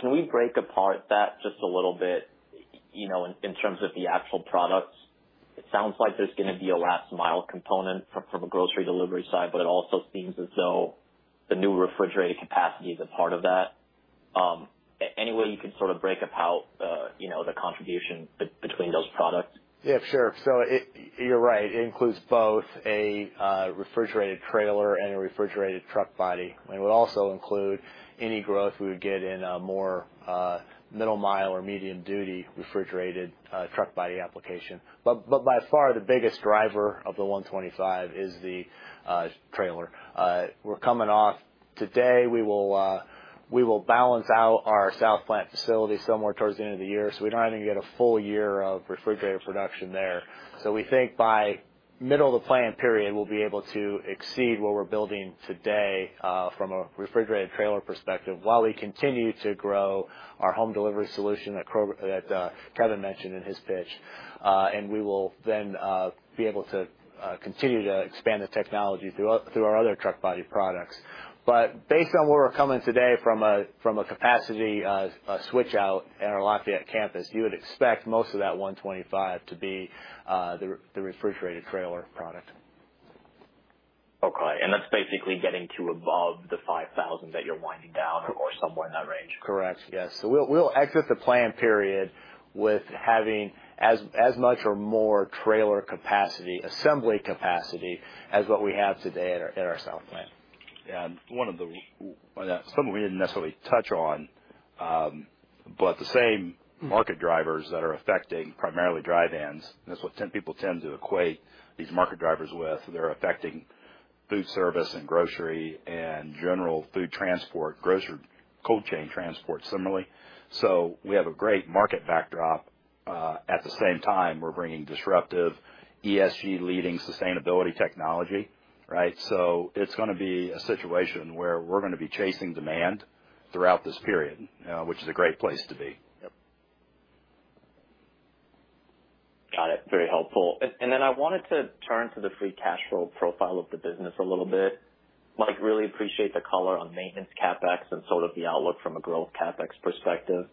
can we break apart that just a little bit, you know, in terms of the actual products? It sounds like there's gonna be a last mile component from a grocery delivery side, but it also seems as though the new refrigerated capacity is a part of that. Any way you can sort of break up how, you know, the contribution between those products? Yeah, sure. You're right. It includes both a refrigerated trailer and a refrigerated truck body. It would also include any growth we would get in a more middle mile or medium duty refrigerated truck body application. But by far, the biggest driver of the $125 million is the trailer. We're coming off today. We will balance out our south plant facility somewhere towards the end of the year, so we don't even get a full year of refrigerated production there. We think by middle of the plan period, we'll be able to exceed what we're building today, from a refrigerated trailer perspective, while we continue to grow our home delivery solution that Kevin mentioned in his pitch. We will then be able to continue to expand the technology through our other truck body products. Based on where we're coming today from a capacity switch out at our Lafayette campus, you would expect most of that 125 to be the refrigerated trailer product. Okay. That's basically getting to above the 5,000 that you're winding down or somewhere in that range? Correct. Yes. We'll exit the plan period with having as much or more trailer capacity, assembly capacity as what we have today at our south plant. One of the something we didn't necessarily touch on, but the same market drivers that are affecting primarily dry vans, and that's what people tend to equate these market drivers with. They're affecting food service and grocery and general food transport, grocery cold chain transport, similarly. We have a great market backdrop. At the same time, we're bringing disruptive ESG leading sustainability technology, right? It's gonna be a situation where we're gonna be chasing demand throughout this period, which is a great place to be. Yep. Got it. Very helpful. I wanted to turn to the free cash flow profile of the business a little bit. Mike, really appreciate the color on maintenance CapEx and sort of the outlook from a growth CapEx perspective.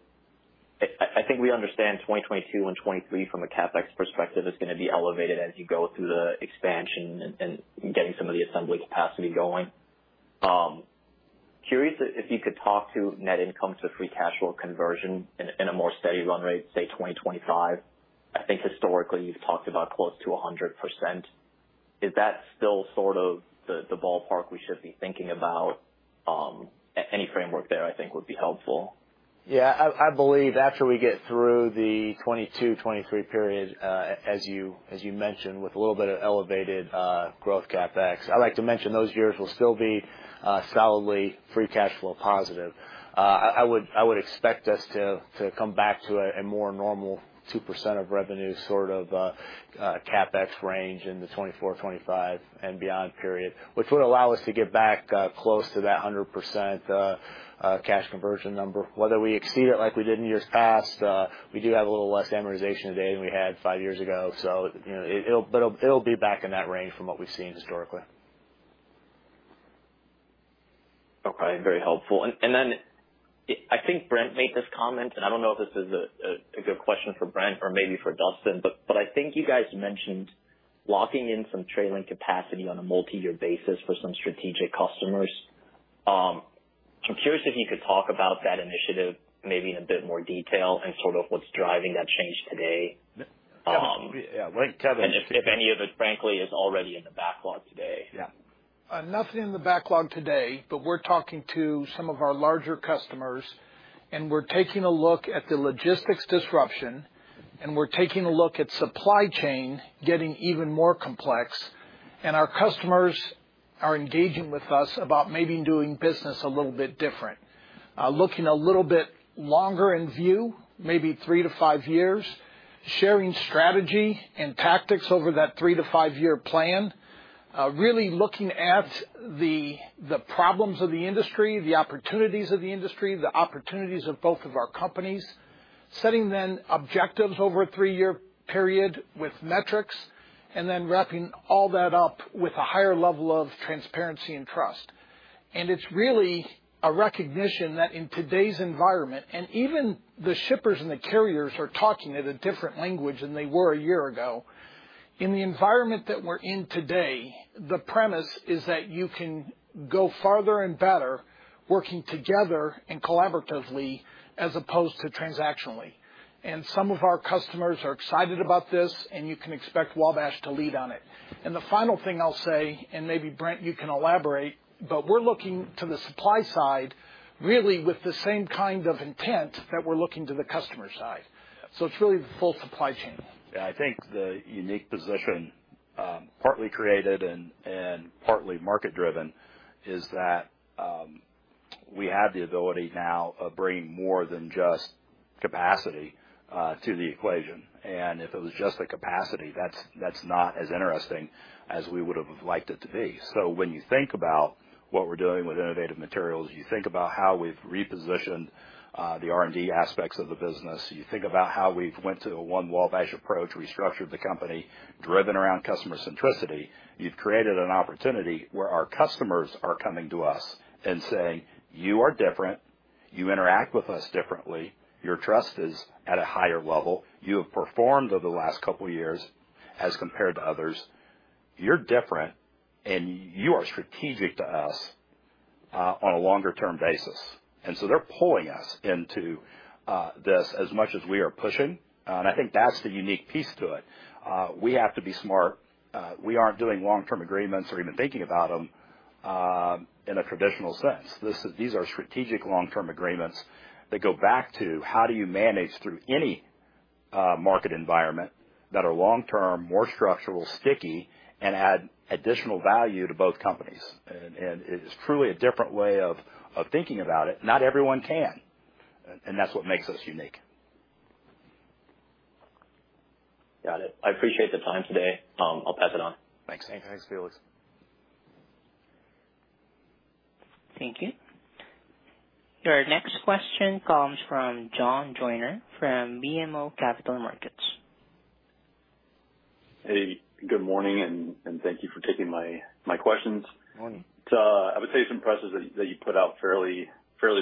I think we understand 2022 and 2023 from a CapEx perspective is gonna be elevated as you go through the expansion and getting some of the assembly capacity going. Curious if you could talk to net income to free cash flow conversion in a more steady run rate, say, 2025. I think historically you've talked about close to 100%. Is that still sort of the ballpark we should be thinking about? Any framework there I think would be helpful. Yeah. I believe after we get through the 2022, 2023 period, as you mentioned, with a little bit of elevated growth CapEx, I like to mention those years will still be solidly free cash flow positive. I would expect us to come back to a more normal 2% of revenue, sort of CapEx range in the 2024, 2025 and beyond period, which would allow us to get back close to that 100% cash conversion number. Whether we exceed it like we did in years past, we do have a little less amortization today than we had five years ago, so you know, it'll be back in that range from what we've seen historically. Okay. Very helpful. I think Brent made this comment, and I don't know if this is a good question for Brent or maybe for Dustin, but I think you guys mentioned locking in some trailer capacity on a multi-year basis for some strategic customers. I'm curious if you could talk about that initiative maybe in a bit more detail and sort of what's driving that change today. Yeah. Let Kevin If any of it, frankly, is already in the backlog today. Yeah. Nothing in the backlog today, but we're talking to some of our larger customers, and we're taking a look at the logistics disruption, and we're taking a look at supply chain getting even more complex. Our customers are engaging with us about maybe doing business a little bit different, looking a little bit longer in view, maybe three to five years, sharing strategy and tactics over that three to five-year plan, really looking at the problems of the industry, the opportunities of the industry, the opportunities of both of our companies. Setting then objectives over a three-year period with metrics, and then wrapping all that up with a higher level of transparency and trust. It's really a recognition that in today's environment, even the shippers and the carriers are talking in a different language than they were a year ago. In the environment that we're in today, the premise is that you can go farther and better working together and collaboratively as opposed to transactionally. Some of our customers are excited about this, and you can expect Wabash to lead on it. The final thing I'll say, and maybe Brent, you can elaborate, but we're looking to the supply side really with the same kind of intent that we're looking to the customer side. It's really the full supply chain. Yeah, I think the unique position, partly created and partly market-driven, is that we have the ability now of bringing more than just capacity to the equation. If it was just the capacity, that's not as interesting as we would have liked it to be. When you think about what we're doing with innovative materials, you think about how we've repositioned the R&D aspects of the business, you think about how we've went to a One Wabash approach, restructured the company, driven around customer centricity. You've created an opportunity where our customers are coming to us and saying, "You are different, you interact with us differently. Your trust is at a higher level. You have performed over the last couple of years as compared to others. You're different, and you are strategic to us on a longer-term basis." They're pulling us into this as much as we are pushing. I think that's the unique piece to it. We have to be smart. We aren't doing long-term agreements or even thinking about them in a traditional sense. These are strategic long-term agreements that go back to how do you manage through any market environment that are long-term, more structural, sticky, and add additional value to both companies. It is truly a different way of thinking about it. Not everyone can, and that's what makes us unique. Got it. I appreciate the time today. I'll pass it on. Thanks. Thanks, Felix. Thank you. Your next question comes from John Joyner from BMO Capital Markets. Hey, good morning, and thank you for taking my questions. Morning. I would say it's impressive that you put out fairly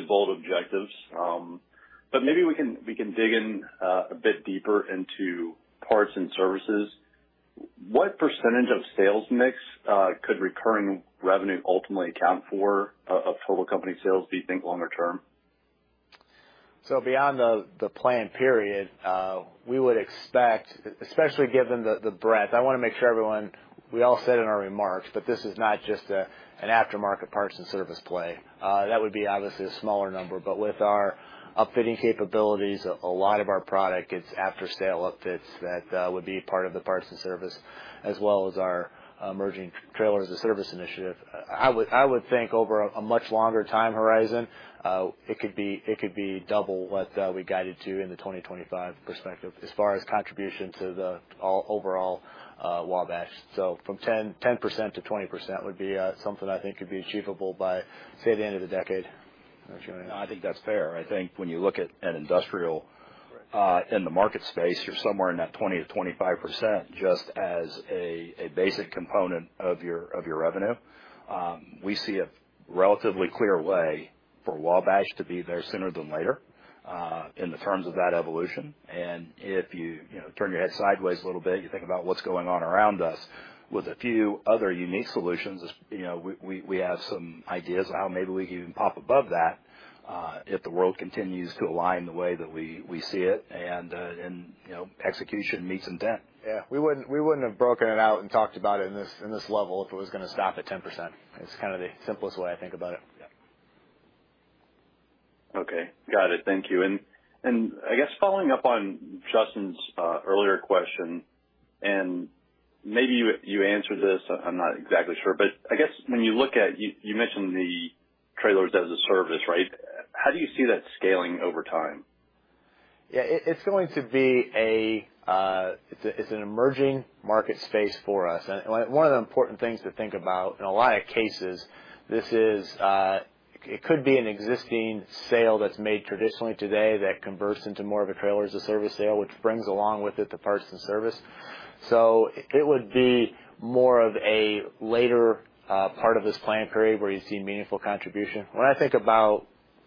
bold objectives. Maybe we can dig in a bit deeper into Parts & Services. What percentage of sales mix could recurring revenue ultimately account for of total company sales, do you think, longer term? Beyond the plan period, we would expect, especially given the breadth, I wanna make sure everyone, we all said in our remarks, but this is not just an aftermarket parts and service play. That would be obviously a smaller number, but with our upfitting capabilities, a lot of our product is after-sale upfits that would be part of the parts and service, as well as our emerging Trailers as a Service initiative. I would think over a much longer time horizon, it could be double what we guided to in the 2025 perspective as far as contribution to the overall Wabash. From 10%-20% would be something I think could be achievable by, say, the end of the decade. John? I think that's fair. I think when you look at an industrial in the market space, you're somewhere in that 20%-25% just as a basic component of your revenue. We see a relatively clear way for Wabash to be there sooner than later in the terms of that evolution. If you know, turn your head sideways a little bit, you think about what's going on around us with a few other unique solutions. As you know, we have some ideas how maybe we can even pop above that if the world continues to align the way that we see it and, you know, execution meets intent. Yeah. We wouldn't have broken it out and talked about it in this level if it was gonna stop at 10%. It's kind of the simplest way I think about it. Yeah. Okay. Got it. Thank you. I guess following up on Justin's earlier question, and maybe you answered this, I'm not exactly sure, but I guess you mentioned the Trailers as a Service, right? How do you see that scaling over time? Yeah. It's going to be an emerging market space for us. One of the important things to think about in a lot of cases, it could be an existing sale that's made traditionally today that converts into more of a Trailers as a Service sale, which brings along with it the Parts and Service. It would be more of a later part of this plan period where you'd see meaningful contribution.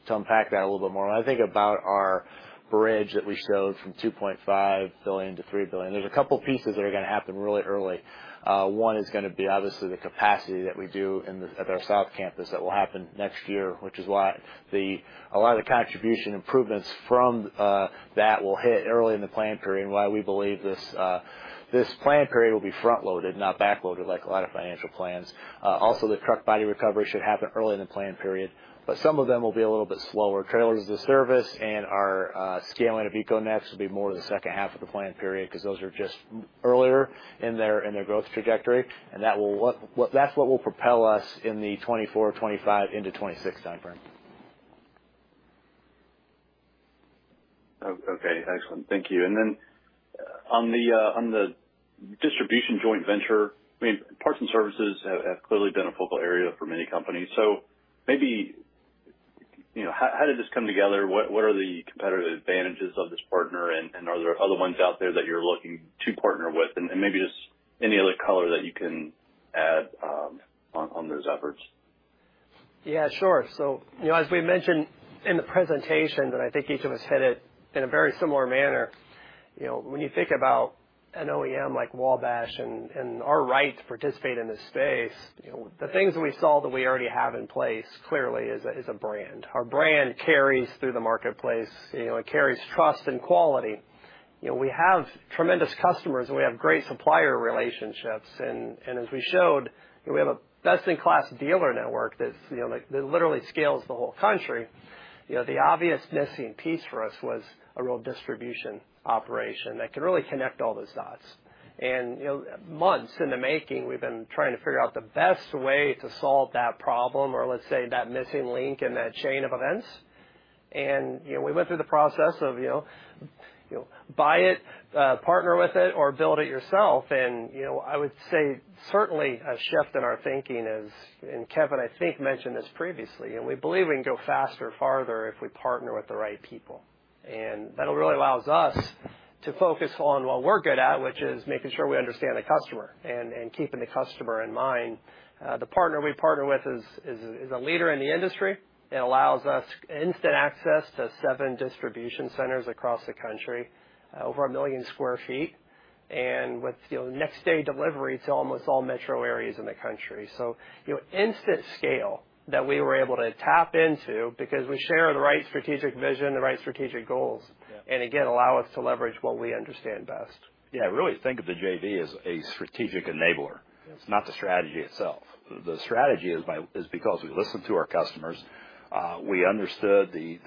To unpack that a little bit more, when I think about our bridge that we showed from $2.5 billion-$3 billion, there's a couple pieces that are gonna happen really early. One is gonna be obviously the capacity that we do at our south campus that will happen next year, which is why a lot of the contribution improvements from that will hit early in the plan period and why we believe this plan period will be front-loaded, not back-loaded like a lot of financial plans. Also, the truck body recovery should happen early in the plan period, but some of them will be a little bit slower. Trailers as a Service and our scaling of EcoNex will be more in the second half of the plan period because those are just earlier in their growth trajectory, and that's what will propel us in the 2024, 2025 into 2026 timeframe. Okay. Excellent. Thank you. On the distribution joint venture, I mean, parts and services have clearly been a focal area for many companies. Maybe, you know, how did this come together? What are the competitive advantages of this partner, and are there other ones out there that you're looking to partner with? Maybe just any other color that you can add on those efforts. Yeah, sure. You know, as we mentioned in the presentation, and I think each of us hit it in a very similar manner, you know, when you think about an OEM like Wabash and our right to participate in this space, you know, the things that we saw that we already have in place clearly is a brand. Our brand carries through the marketplace, you know, it carries trust and quality. You know, we have tremendous customers, and we have great supplier relationships. You know, as we showed, we have a best-in-class dealer network that's, you know, like, that literally scales the whole country. You know, the obvious missing piece for us was a real distribution operation that can really connect all those dots. You know, months in the making, we've been trying to figure out the best way to solve that problem or let's say, that missing link in that chain of events. You know, we went through the process of, you know, buy it, partner with it, or build it yourself. You know, I would say certainly a shift in our thinking is, and Kevin, I think, mentioned this previously, and we believe we can go faster, farther if we partner with the right people. That'll really allows us to focus on what we're good at, which is making sure we understand the customer and keeping the customer in mind. The partner we partner with is a leader in the industry. It allows us instant access to seven distribution centers across the country, over 1 million sq ft. With, you know, next day delivery to almost all metro areas in the country. You know, instant scale that we were able to tap into because we share the right strategic vision, the right strategic goals. Yeah. Again, allow us to leverage what we understand best. Yeah. I really think of the JV as a strategic enabler. Yes. It's not the strategy itself. The strategy is because we listen to our customers, we understood the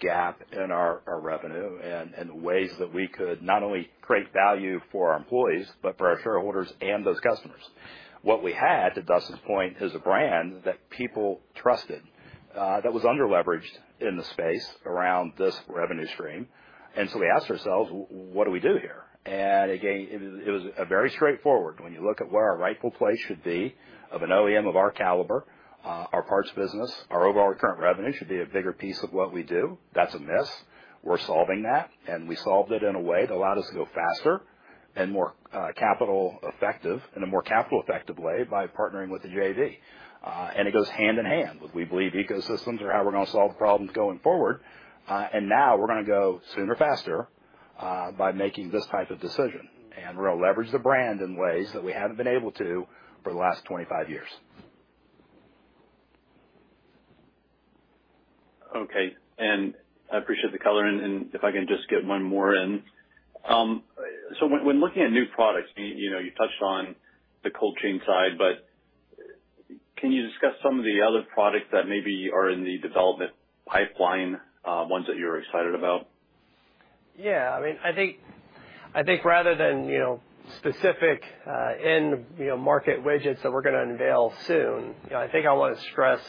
gap in our revenue and the ways that we could not only create value for our employees, but for our shareholders and those customers. What we had, to Dustin's point, is a brand that people trusted, that was under-leveraged in the space around this revenue stream. We asked ourselves, what do we do here? Again, it was a very straightforward. When you look at where our rightful place should be of an OEM of our caliber, our parts business, our overall recurring revenue should be a bigger piece of what we do. That's a miss. We're solving that, and we solved it in a way that allowed us to go faster and more capital efficient, in a more capital efficient way by partnering with the JV. It goes hand in hand. We believe ecosystems are how we're gonna solve the problems going forward. Now we're gonna go sooner, faster, by making this type of decision. We're gonna leverage the brand in ways that we haven't been able to for the last 25 years. Okay. I appreciate the color, and if I can just get one more in. When looking at new products, you know you touched on the cold chain side, but can you discuss some of the other products that maybe are in the development pipeline, ones that you're excited about? Yeah. I mean, I think rather than, you know, specific end market widgets that we're gonna unveil soon, you know, I think I wanna stress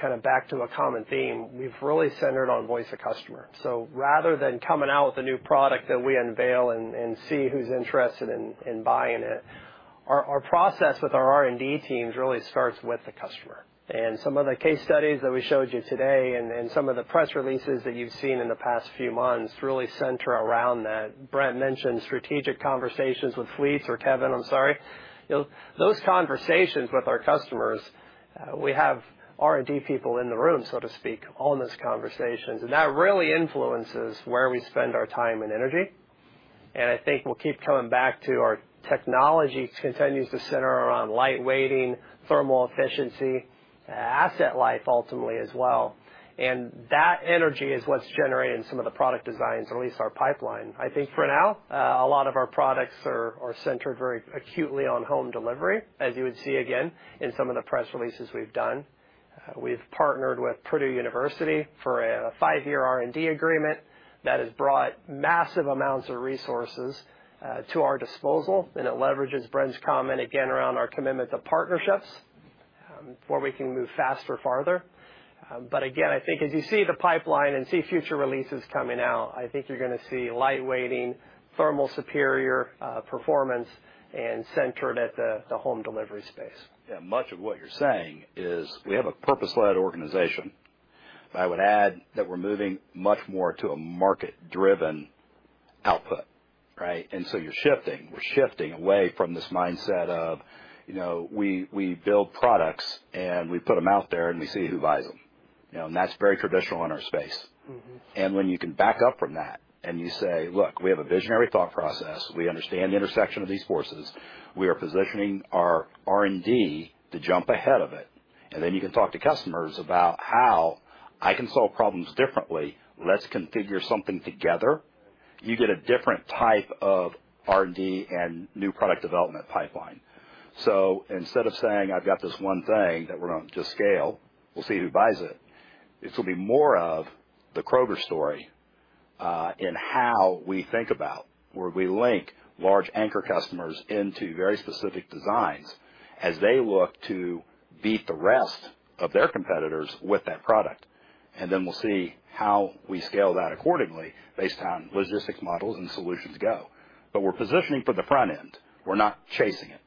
kinda back to a common theme. We've really centered on voice of customer. Rather than coming out with a new product that we unveil and see who's interested in buying it, our process with our R&D teams really starts with the customer. Some of the case studies that we showed you today and some of the press releases that you've seen in the past few months really center around that. Brent mentioned strategic conversations with fleets or Kevin, I'm sorry. You know, those conversations with our customers, we have R&D people in the room, so to speak, on those conversations. That really influences where we spend our time and energy. I think we'll keep coming back to our technology continues to center around light-weighting, thermal efficiency, asset life ultimately as well. That energy is what's generating some of the product designs, or at least our pipeline. I think for now, a lot of our products are centered very acutely on home delivery, as you would see again in some of the press releases we've done. We've partnered with Purdue University for a five-year R&D agreement that has brought massive amounts of resources to our disposal, and it leverages Brent's comment again around our commitment to partnerships before we can move faster, farther. I think as you see the pipeline and see future releases coming out, I think you're gonna see light-weighting, thermal superior performance and centered at the home delivery space. Yeah, much of what you're saying is we have a purpose-led organization. I would add that we're moving much more to a market-driven output, right? You're shifting. We're shifting away from this mindset of, you know, we build products, and we put them out there, and we see who buys them. You know, that's very traditional in our space. Mm-hmm. When you can back up from that and you say, "Look, we have a visionary thought process. We understand the intersection of these forces. We are positioning our R&D to jump ahead of it." You can talk to customers about how I can solve problems differently. Let's configure something together. You get a different type of R&D and new product development pipeline. Instead of saying, "I've got this one thing that we're gonna just scale, we'll see who buys it," this will be more of the Kroger story in how we think about where we link large anchor customers into very specific designs as they look to beat the rest of their competitors with that product. We'll see how we scale that accordingly based on logistics models and solutions go. We're positioning for the front end. We're not chasing it.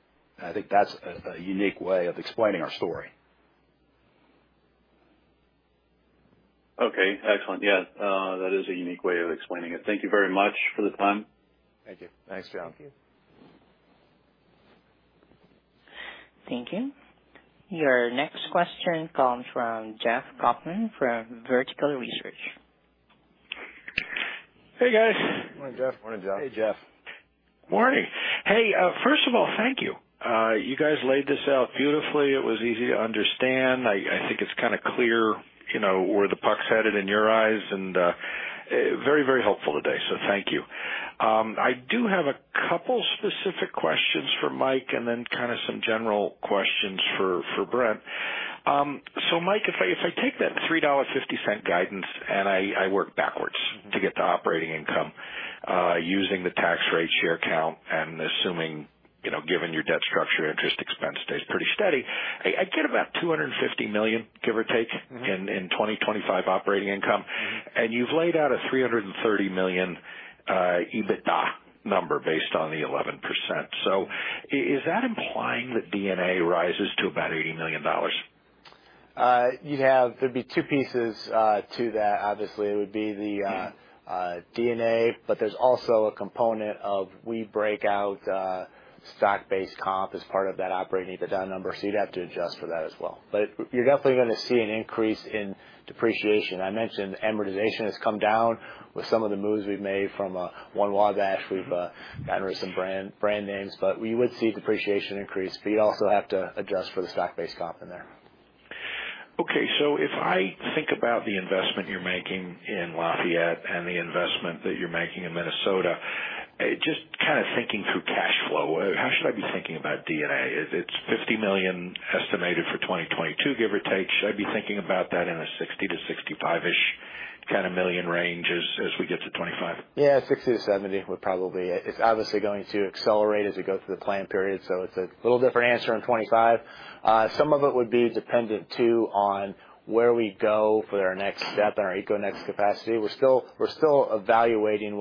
I think that's a unique way of explaining our story. Okay, excellent. Yeah, that is a unique way of explaining it. Thank you very much for the time. Thank you. Thanks, John. Thank you. Thank you. Your next question comes from Jeff Kauffman from Vertical Research. Hey, guys. Morning, Jeff. Morning, Jeff. Hey, Jeff. Morning. Hey, first of all, thank you. You guys laid this out beautifully. It was easy to understand. I think it's kind of clear, you know, where the puck's headed in your eyes, and very, very helpful today, so thank you. I do have a couple specific questions for Mike and then kind of some general questions for Brent. So Mike, if I take that $3.50 guidance and I work backwards to get the operating income, using the tax rate share count and assuming, you know, given your debt structure, interest expense stays pretty steady, I get about $250 million, give or take, in 2025 operating income. You've laid out a $330 million EBITDA number based on the 11%. Is that implying that D&A rises to about $80 million? There'd be two pieces to that. Obviously, it would be the D&A, but there's also a component, we break out stock-based comp as part of that operating EBITDA number. You'd have to adjust for that as well. You're definitely gonna see an increase in depreciation. I mentioned amortization has come down with some of the moves we've made from One Wabash. We've gotten rid of some brand names, but we would see depreciation increase. We also have to adjust for the stock-based comp in there. Okay. If I think about the investment you're making in Lafayette and the investment that you're making in Minnesota, just kind of thinking through cash flow, how should I be thinking about D&A? It's $50 million estimated for 2022, give or take. Should I be thinking about that in a $60 million-$65 million range as we get to 2025? Yeah, $60 million-$70 million would probably be it. It's obviously going to accelerate as we go through the plan period. It's a little different answer in 2025. Some of it would be dependent too on where we go for our next step in our EcoNex capacity. We're still evaluating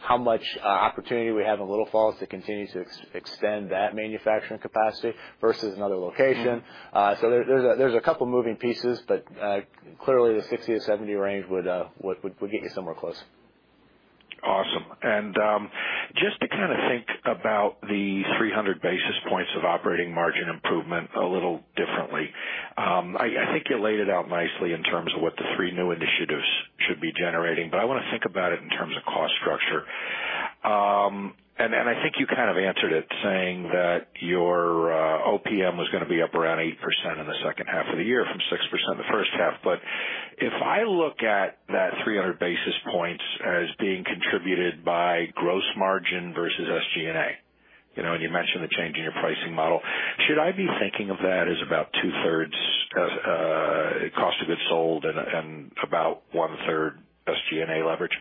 how much opportunity we have in Little Falls to continue to extend that manufacturing capacity versus another location. There's a couple moving pieces, but clearly the $60 million-$70 million range would get you somewhere close. Awesome. Just to kind of think about the 300 basis points of operating margin improvement a little differently, I think you laid it out nicely in terms of what the three new initiatives should be generating, but I want to think about it in terms of cost structure. I think you kind of answered it saying that your OPM was going to be up around 8% in the second half of the year from 6% the first half. If I look at that 300 basis points as being contributed by gross margin vs. SG&A, you know, and you mentioned the change in your pricing model, should I be thinking of that as about 2/3 of cost of goods sold and about 1/3 SG&A leverage?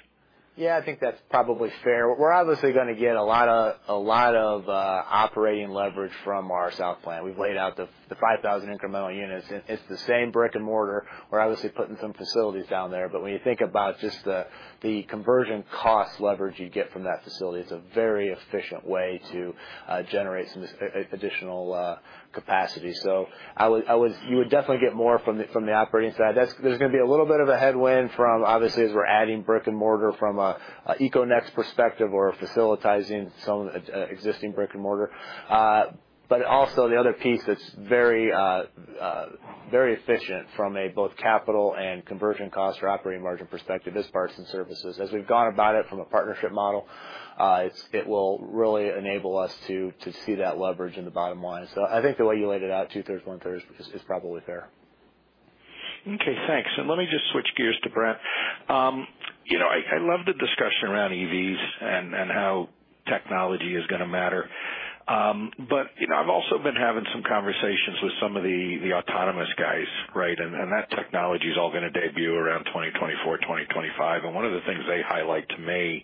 Yeah, I think that's probably fair. We're obviously going to get a lot of operating leverage from our South plant. We've laid out the 5,000 incremental units. It's the same brick-and-mortar. We're obviously putting some facilities down there. But when you think about just the conversion cost leverage you get from that facility, it's a very efficient way to generate some additional capacity. You would definitely get more from the operating side. There's going to be a little bit of a headwind from obviously, as we're adding brick and mortar from EcoNex perspective or facilitizing some of the existing brick and mortar. But also the other piece that's very efficient from both a capital and conversion cost or operating margin perspective is parts and services. As we've gone about it from a partnership model, it will really enable us to see that leverage in the bottom line. I think the way you laid it out, 2/3, 1/3 is probably fair. Okay, thanks. Let me just switch gears to Brent. You know, I love the discussion around EVs and how technology is going to matter. You know, I've also been having some conversations with some of the autonomous guys, right? That technology is all going to debut around 2024, 2025. One of the things they highlight to me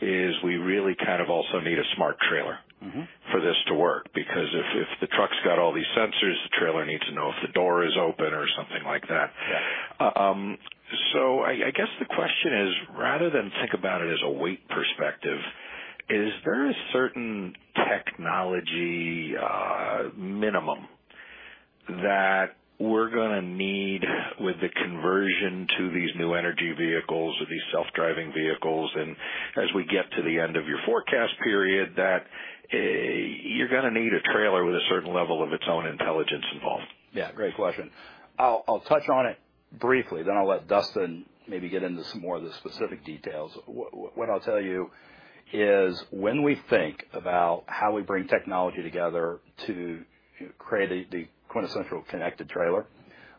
is we really kind of also need a smart trailer. Mm-hmm. For this to work, because if the truck's got all these sensors, the trailer needs to know if the door is open or something like that. Yeah. I guess the question is, rather than think about it as a weight perspective, is there a certain technology minimum that we're gonna need with the conversion to these new energy vehicles or these self-driving vehicles? As we get to the end of your forecast period, that you're gonna need a trailer with a certain level of its own intelligence involved. Yeah, great question. I'll touch on it briefly, then I'll let Dustin maybe get into some more of the specific details. What I'll tell you is when we think about how we bring technology together to create the quintessential connected trailer,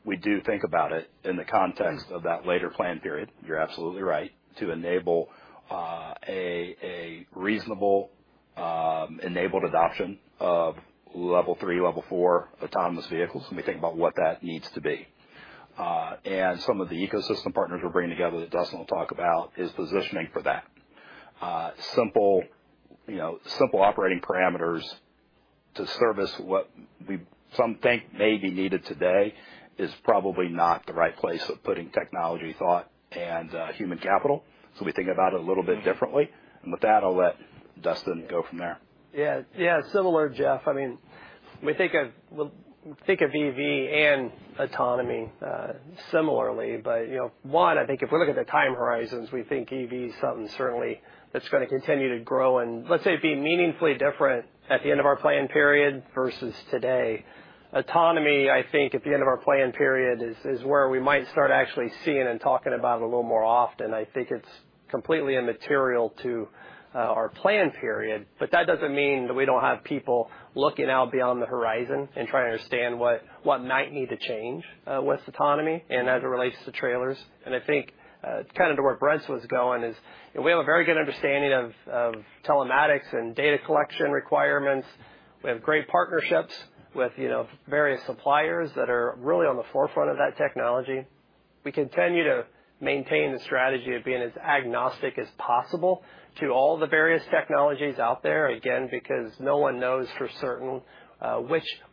we do think about it in the context of that later plan period, you're absolutely right, to enable a reasonable enabled adoption of level three, level four autonomous vehicles, and we think about what that needs to be. Some of the ecosystem partners we're bringing together that Dustin will talk about is positioning for that. Simple, you know, simple operating parameters to service what we some think may be needed today is probably not the right place of putting technology thought and human capital. We think about it a little bit differently. With that, I'll let Dustin go from there. Yeah. Yeah. Similar, Jeff. I mean, we think of EV and autonomy similarly. You know, one, I think if we look at the time horizons, we think EV is something certainly that's gonna continue to grow, and let's say be meaningfully different at the end of our plan period versus today. Autonomy, I think at the end of our plan period is where we might start actually seeing and talking about a little more often. I think it's completely immaterial to our plan period. That doesn't mean that we don't have people looking out beyond the horizon and trying to understand what might need to change with autonomy and as it relates to trailers. I think, kind of to where Brent was going, we have a very good understanding of telematics and data collection requirements. We have great partnerships with, you know, various suppliers that are really on the forefront of that technology. We continue to maintain the strategy of being as agnostic as possible to all the various technologies out there, again, because no one knows for certain,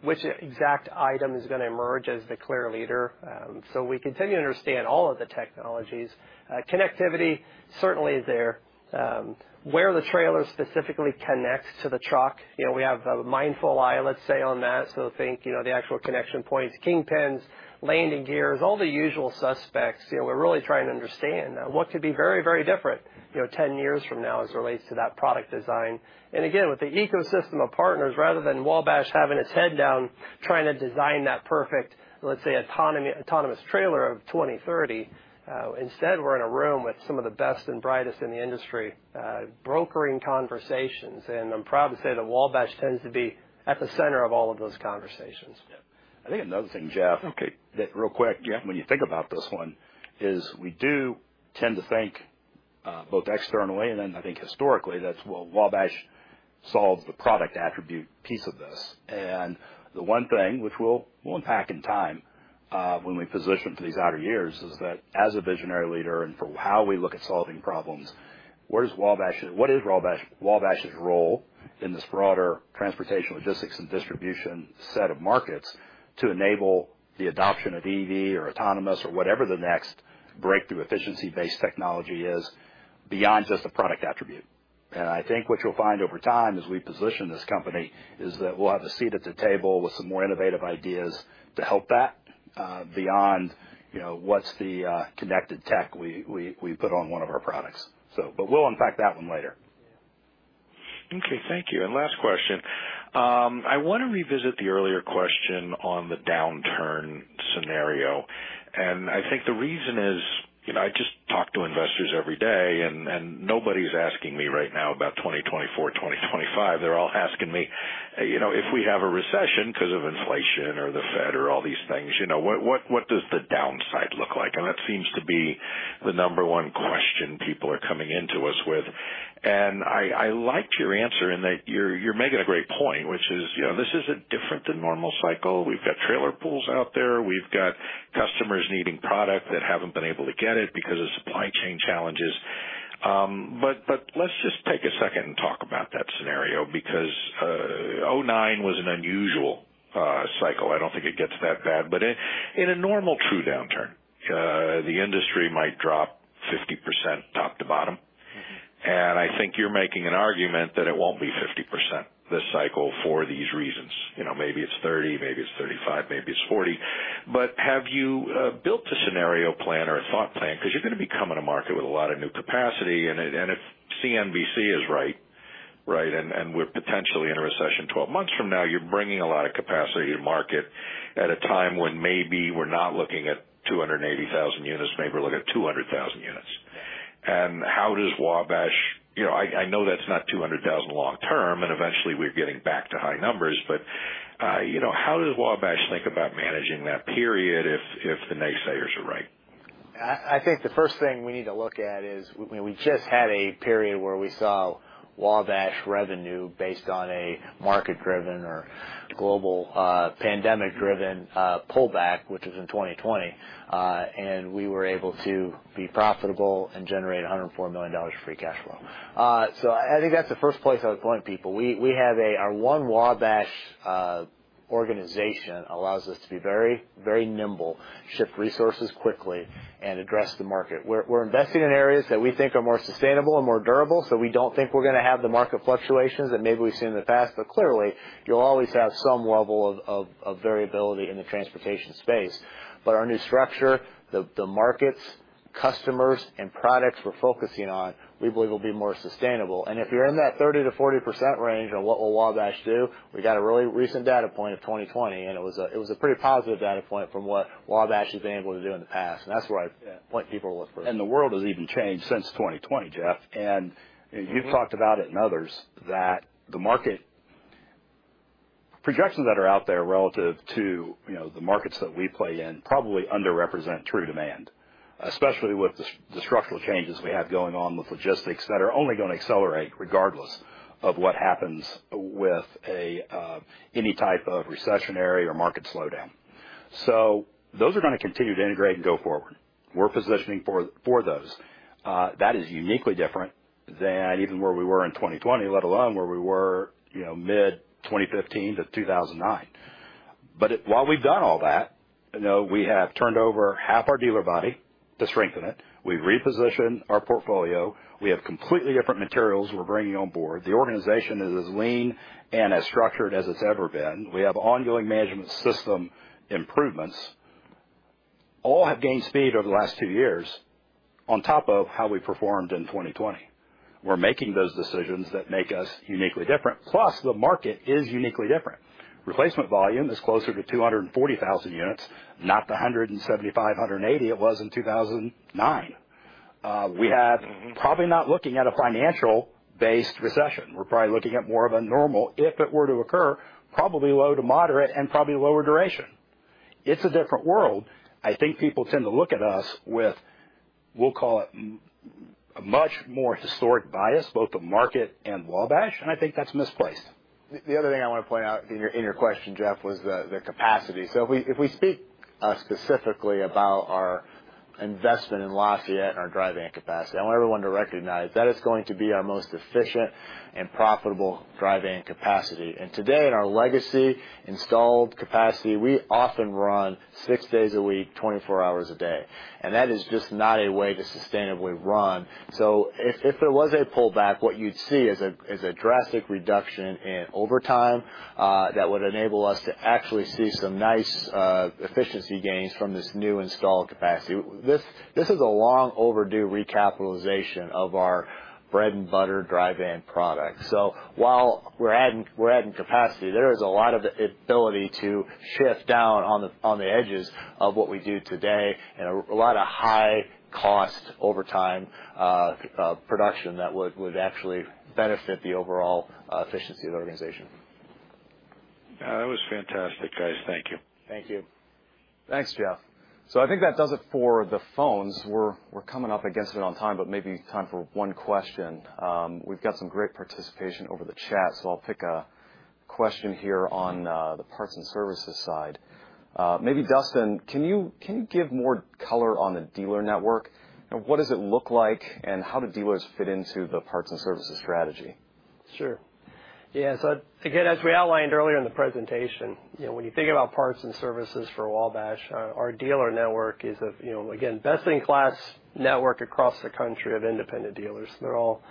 which exact item is gonna emerge as the clear leader. We continue to understand all of the technologies. Connectivity certainly is there. Where the trailer specifically connects to the truck, you know, we have a mindful eye, let's say, on that. Think, you know, the actual connection points, kingpins, landing gears, all the usual suspects. You know, we're really trying to understand what could be very, very different, you know, 10 years from now as it relates to that product design. With the ecosystem of partners, rather than Wabash having its head down trying to design that perfect, let's say, autonomous trailer of 2030, instead we're in a room with some of the best and brightest in the industry, brokering conversations. I'm proud to say that Wabash tends to be at the center of all of those conversations. Yeah. I think another thing, Jeff. Okay. That real quick. Yeah. When you think about this one, we do tend to think both externally and then I think historically, that's where Wabash solves the product attribute piece of this. The one thing which we'll unpack in time, when we position for these out years, is that as a visionary leader and for how we look at solving problems, where does Wabash, what is Wabash's role in this broader transportation, logistics, and distribution set of markets to enable the adoption of EV or autonomous or whatever the next breakthrough efficiency-based technology is beyond just a product attribute? I think what you'll find over time as we position this company is that we'll have a seat at the table with some more innovative ideas to help that, beyond, you know, what's the connected tech we put on one of our products. We'll unpack that one later. Okay, thank you. Last question. I wanna revisit the earlier question on the downturn scenario. I think the reason is, you know, I just talk to investors every day, and nobody's asking me right now about 2024, 2025. They're all asking me, you know, if we have a recession 'cause of inflation or the Fed or all these things, you know, what does the downside look like? That seems to be the number one question people are coming into us with. I liked your answer in that you're making a great point, which is, you know, this isn't different than normal cycle. We've got trailer pools out there. We've got customers needing product that haven't been able to get it because of supply chain challenges. Let's just take a second and talk about that scenario because, 2009 was an unusual cycle. I don't think it gets that bad. In a normal true downturn, the industry might drop 50% top to bottom. I think you're making an argument that it won't be 50% this cycle for these reasons. You know, maybe it's 30%, maybe it's 35%, maybe it's 40%. Have you built a scenario plan or a thought plan? 'Cause you're gonna be coming to market with a lot of new capacity, and if CNBC is right, and we're potentially in a recession twelve months from now, you're bringing a lot of capacity to market at a time when maybe we're not looking at 280,000 units, maybe we're looking at 200,000 units. How does Wabash... You know, I know that's not 200,000 long term, and eventually we're getting back to high numbers. But you know, how does Wabash think about managing that period if the naysayers are right? I think the first thing we need to look at is when we just had a period where we saw Wabash revenue based on a market-driven or global pandemic-driven pullback, which was in 2020, and we were able to be profitable and generate $104 million of free cash flow. I think that's the first place I would point people. We have our One Wabash organization allows us to be very nimble, shift resources quickly and address the market. We're investing in areas that we think are more sustainable and more durable, so we don't think we're gonna have the market fluctuations that maybe we've seen in the past. Clearly, you'll always have some level of variability in the transportation space. Our new structure, the markets, customers, and products we're focusing on, we believe will be more sustainable. If you're in that 30%-40% range on what will Wabash do, we got a really recent data point of 2020, and it was a pretty positive data point from what Wabash has been able to do in the past. That's where I'd point people to look first. The world has even changed since 2020, Jeff. You've talked about it and others that the market projections that are out there relative to, you know, the markets that we play in probably underrepresent true demand, especially with the structural changes we have going on with logistics that are only gonna accelerate regardless of what happens with a any type of recessionary or market slowdown. Those are gonna continue to integrate and go forward. We're positioning for those. That is uniquely different than even where we were in 2020, let alone where we were, you know, mid-2015 to 2009. While we've done all that, you know, we have turned over half our dealer body to strengthen it. We've repositioned our portfolio. We have completely different materials we're bringing on board. The organization is as lean and as structured as it's ever been. We have ongoing management system improvements, all have gained speed over the last two years on top of how we performed in 2020. We're making those decisions that make us uniquely different. Plus, the market is uniquely different. Replacement volume is closer to 240,000 units, not the 175, 180 it was in 2009. We're probably not looking at a financial-based recession. We're probably looking at more of a normal, if it were to occur, probably low to moderate and probably lower duration. It's a different world. I think people tend to look at us with, we'll call it M&A, much more historic bias, both the market and Wabash, and I think that's misplaced. The other thing I wanna point out in your question, Jeff, was the capacity. If we speak specifically about our investment in Lafayette and our dry van capacity, I want everyone to recognize that it's going to be our most efficient and profitable dry van capacity. Today in our legacy installed capacity, we often run six days a week, 24 hours a day, and that is just not a way to sustainably run. If there was a pullback, what you'd see is a drastic reduction in overtime that would enable us to actually see some nice efficiency gains from this new installed capacity. This is a long overdue recapitalization of our bread and butter dry van product. While we're adding capacity, there is a lot of ability to shift down on the edges of what we do today and a lot of high cost over time production that would actually benefit the overall efficiency of the organization. Yeah. That was fantastic, guys. Thank you. Thank you. Thanks, Jeff. I think that does it for the phones. We're coming up against it on time, but maybe time for one question. We've got some great participation over the chat, so I'll pick a question here on the Parts and Services side. Maybe Dustin, can you give more color on the dealer network, and what does it look like, and how do dealers fit into the Parts and Services strategy? Sure. Yeah. Again, as we outlined earlier in the presentation, you know, when you think about parts and services for Wabash, our dealer network is, you know, again, best in class network across the country of independent dealers. They're all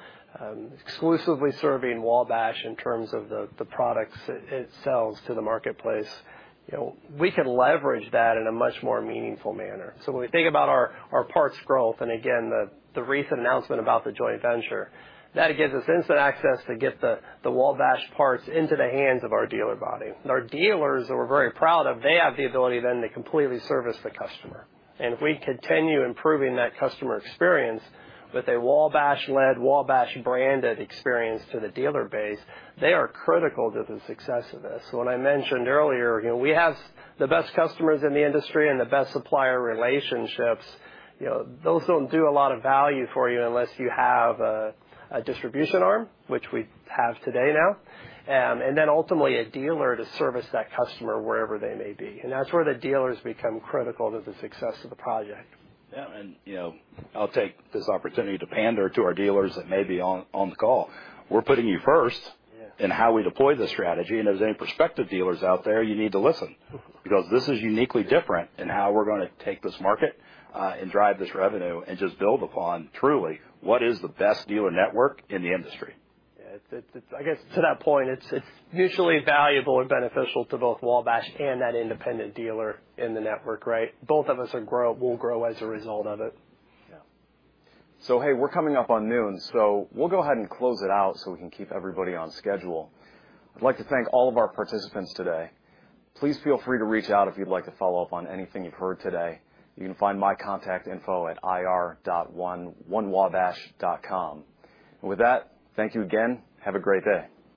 exclusively serving Wabash in terms of the products it sells to the marketplace. You know, we can leverage that in a much more meaningful manner. When we think about our parts growth, and again, the recent announcement about the joint venture, that gives us instant access to get the Wabash parts into the hands of our dealer body. Our dealers that we're very proud of, they have the ability then to completely service the customer. If we continue improving that customer experience with a Wabash-led, Wabash-branded experience to the dealer base, they are critical to the success of this. When I mentioned earlier, you know, we have the best customers in the industry and the best supplier relationships. You know, those don't do a lot of value for you unless you have a distribution arm, which we have today now, and then ultimately a dealer to service that customer wherever they may be. That's where the dealers become critical to the success of the project. Yeah. You know, I'll take this opportunity to pander to our dealers that may be on the call. We're putting you first. Yeah. In how we deploy this strategy. If there's any prospective dealers out there, you need to listen because this is uniquely different in how we're gonna take this market, and drive this revenue and just build upon truly what is the best dealer network in the industry. Yeah. It, I guess to that point, it's mutually valuable and beneficial to both Wabash and that independent dealer in the network, right? Both of us will grow as a result of it. Yeah. Hey, we're coming up on noon, so we'll go ahead and close it out so we can keep everybody on schedule. I'd like to thank all of our participants today. Please feel free to reach out if you'd like to follow up on anything you've heard today. You can find my contact info at ir.onewabash.com. With that, thank you again. Have a great day.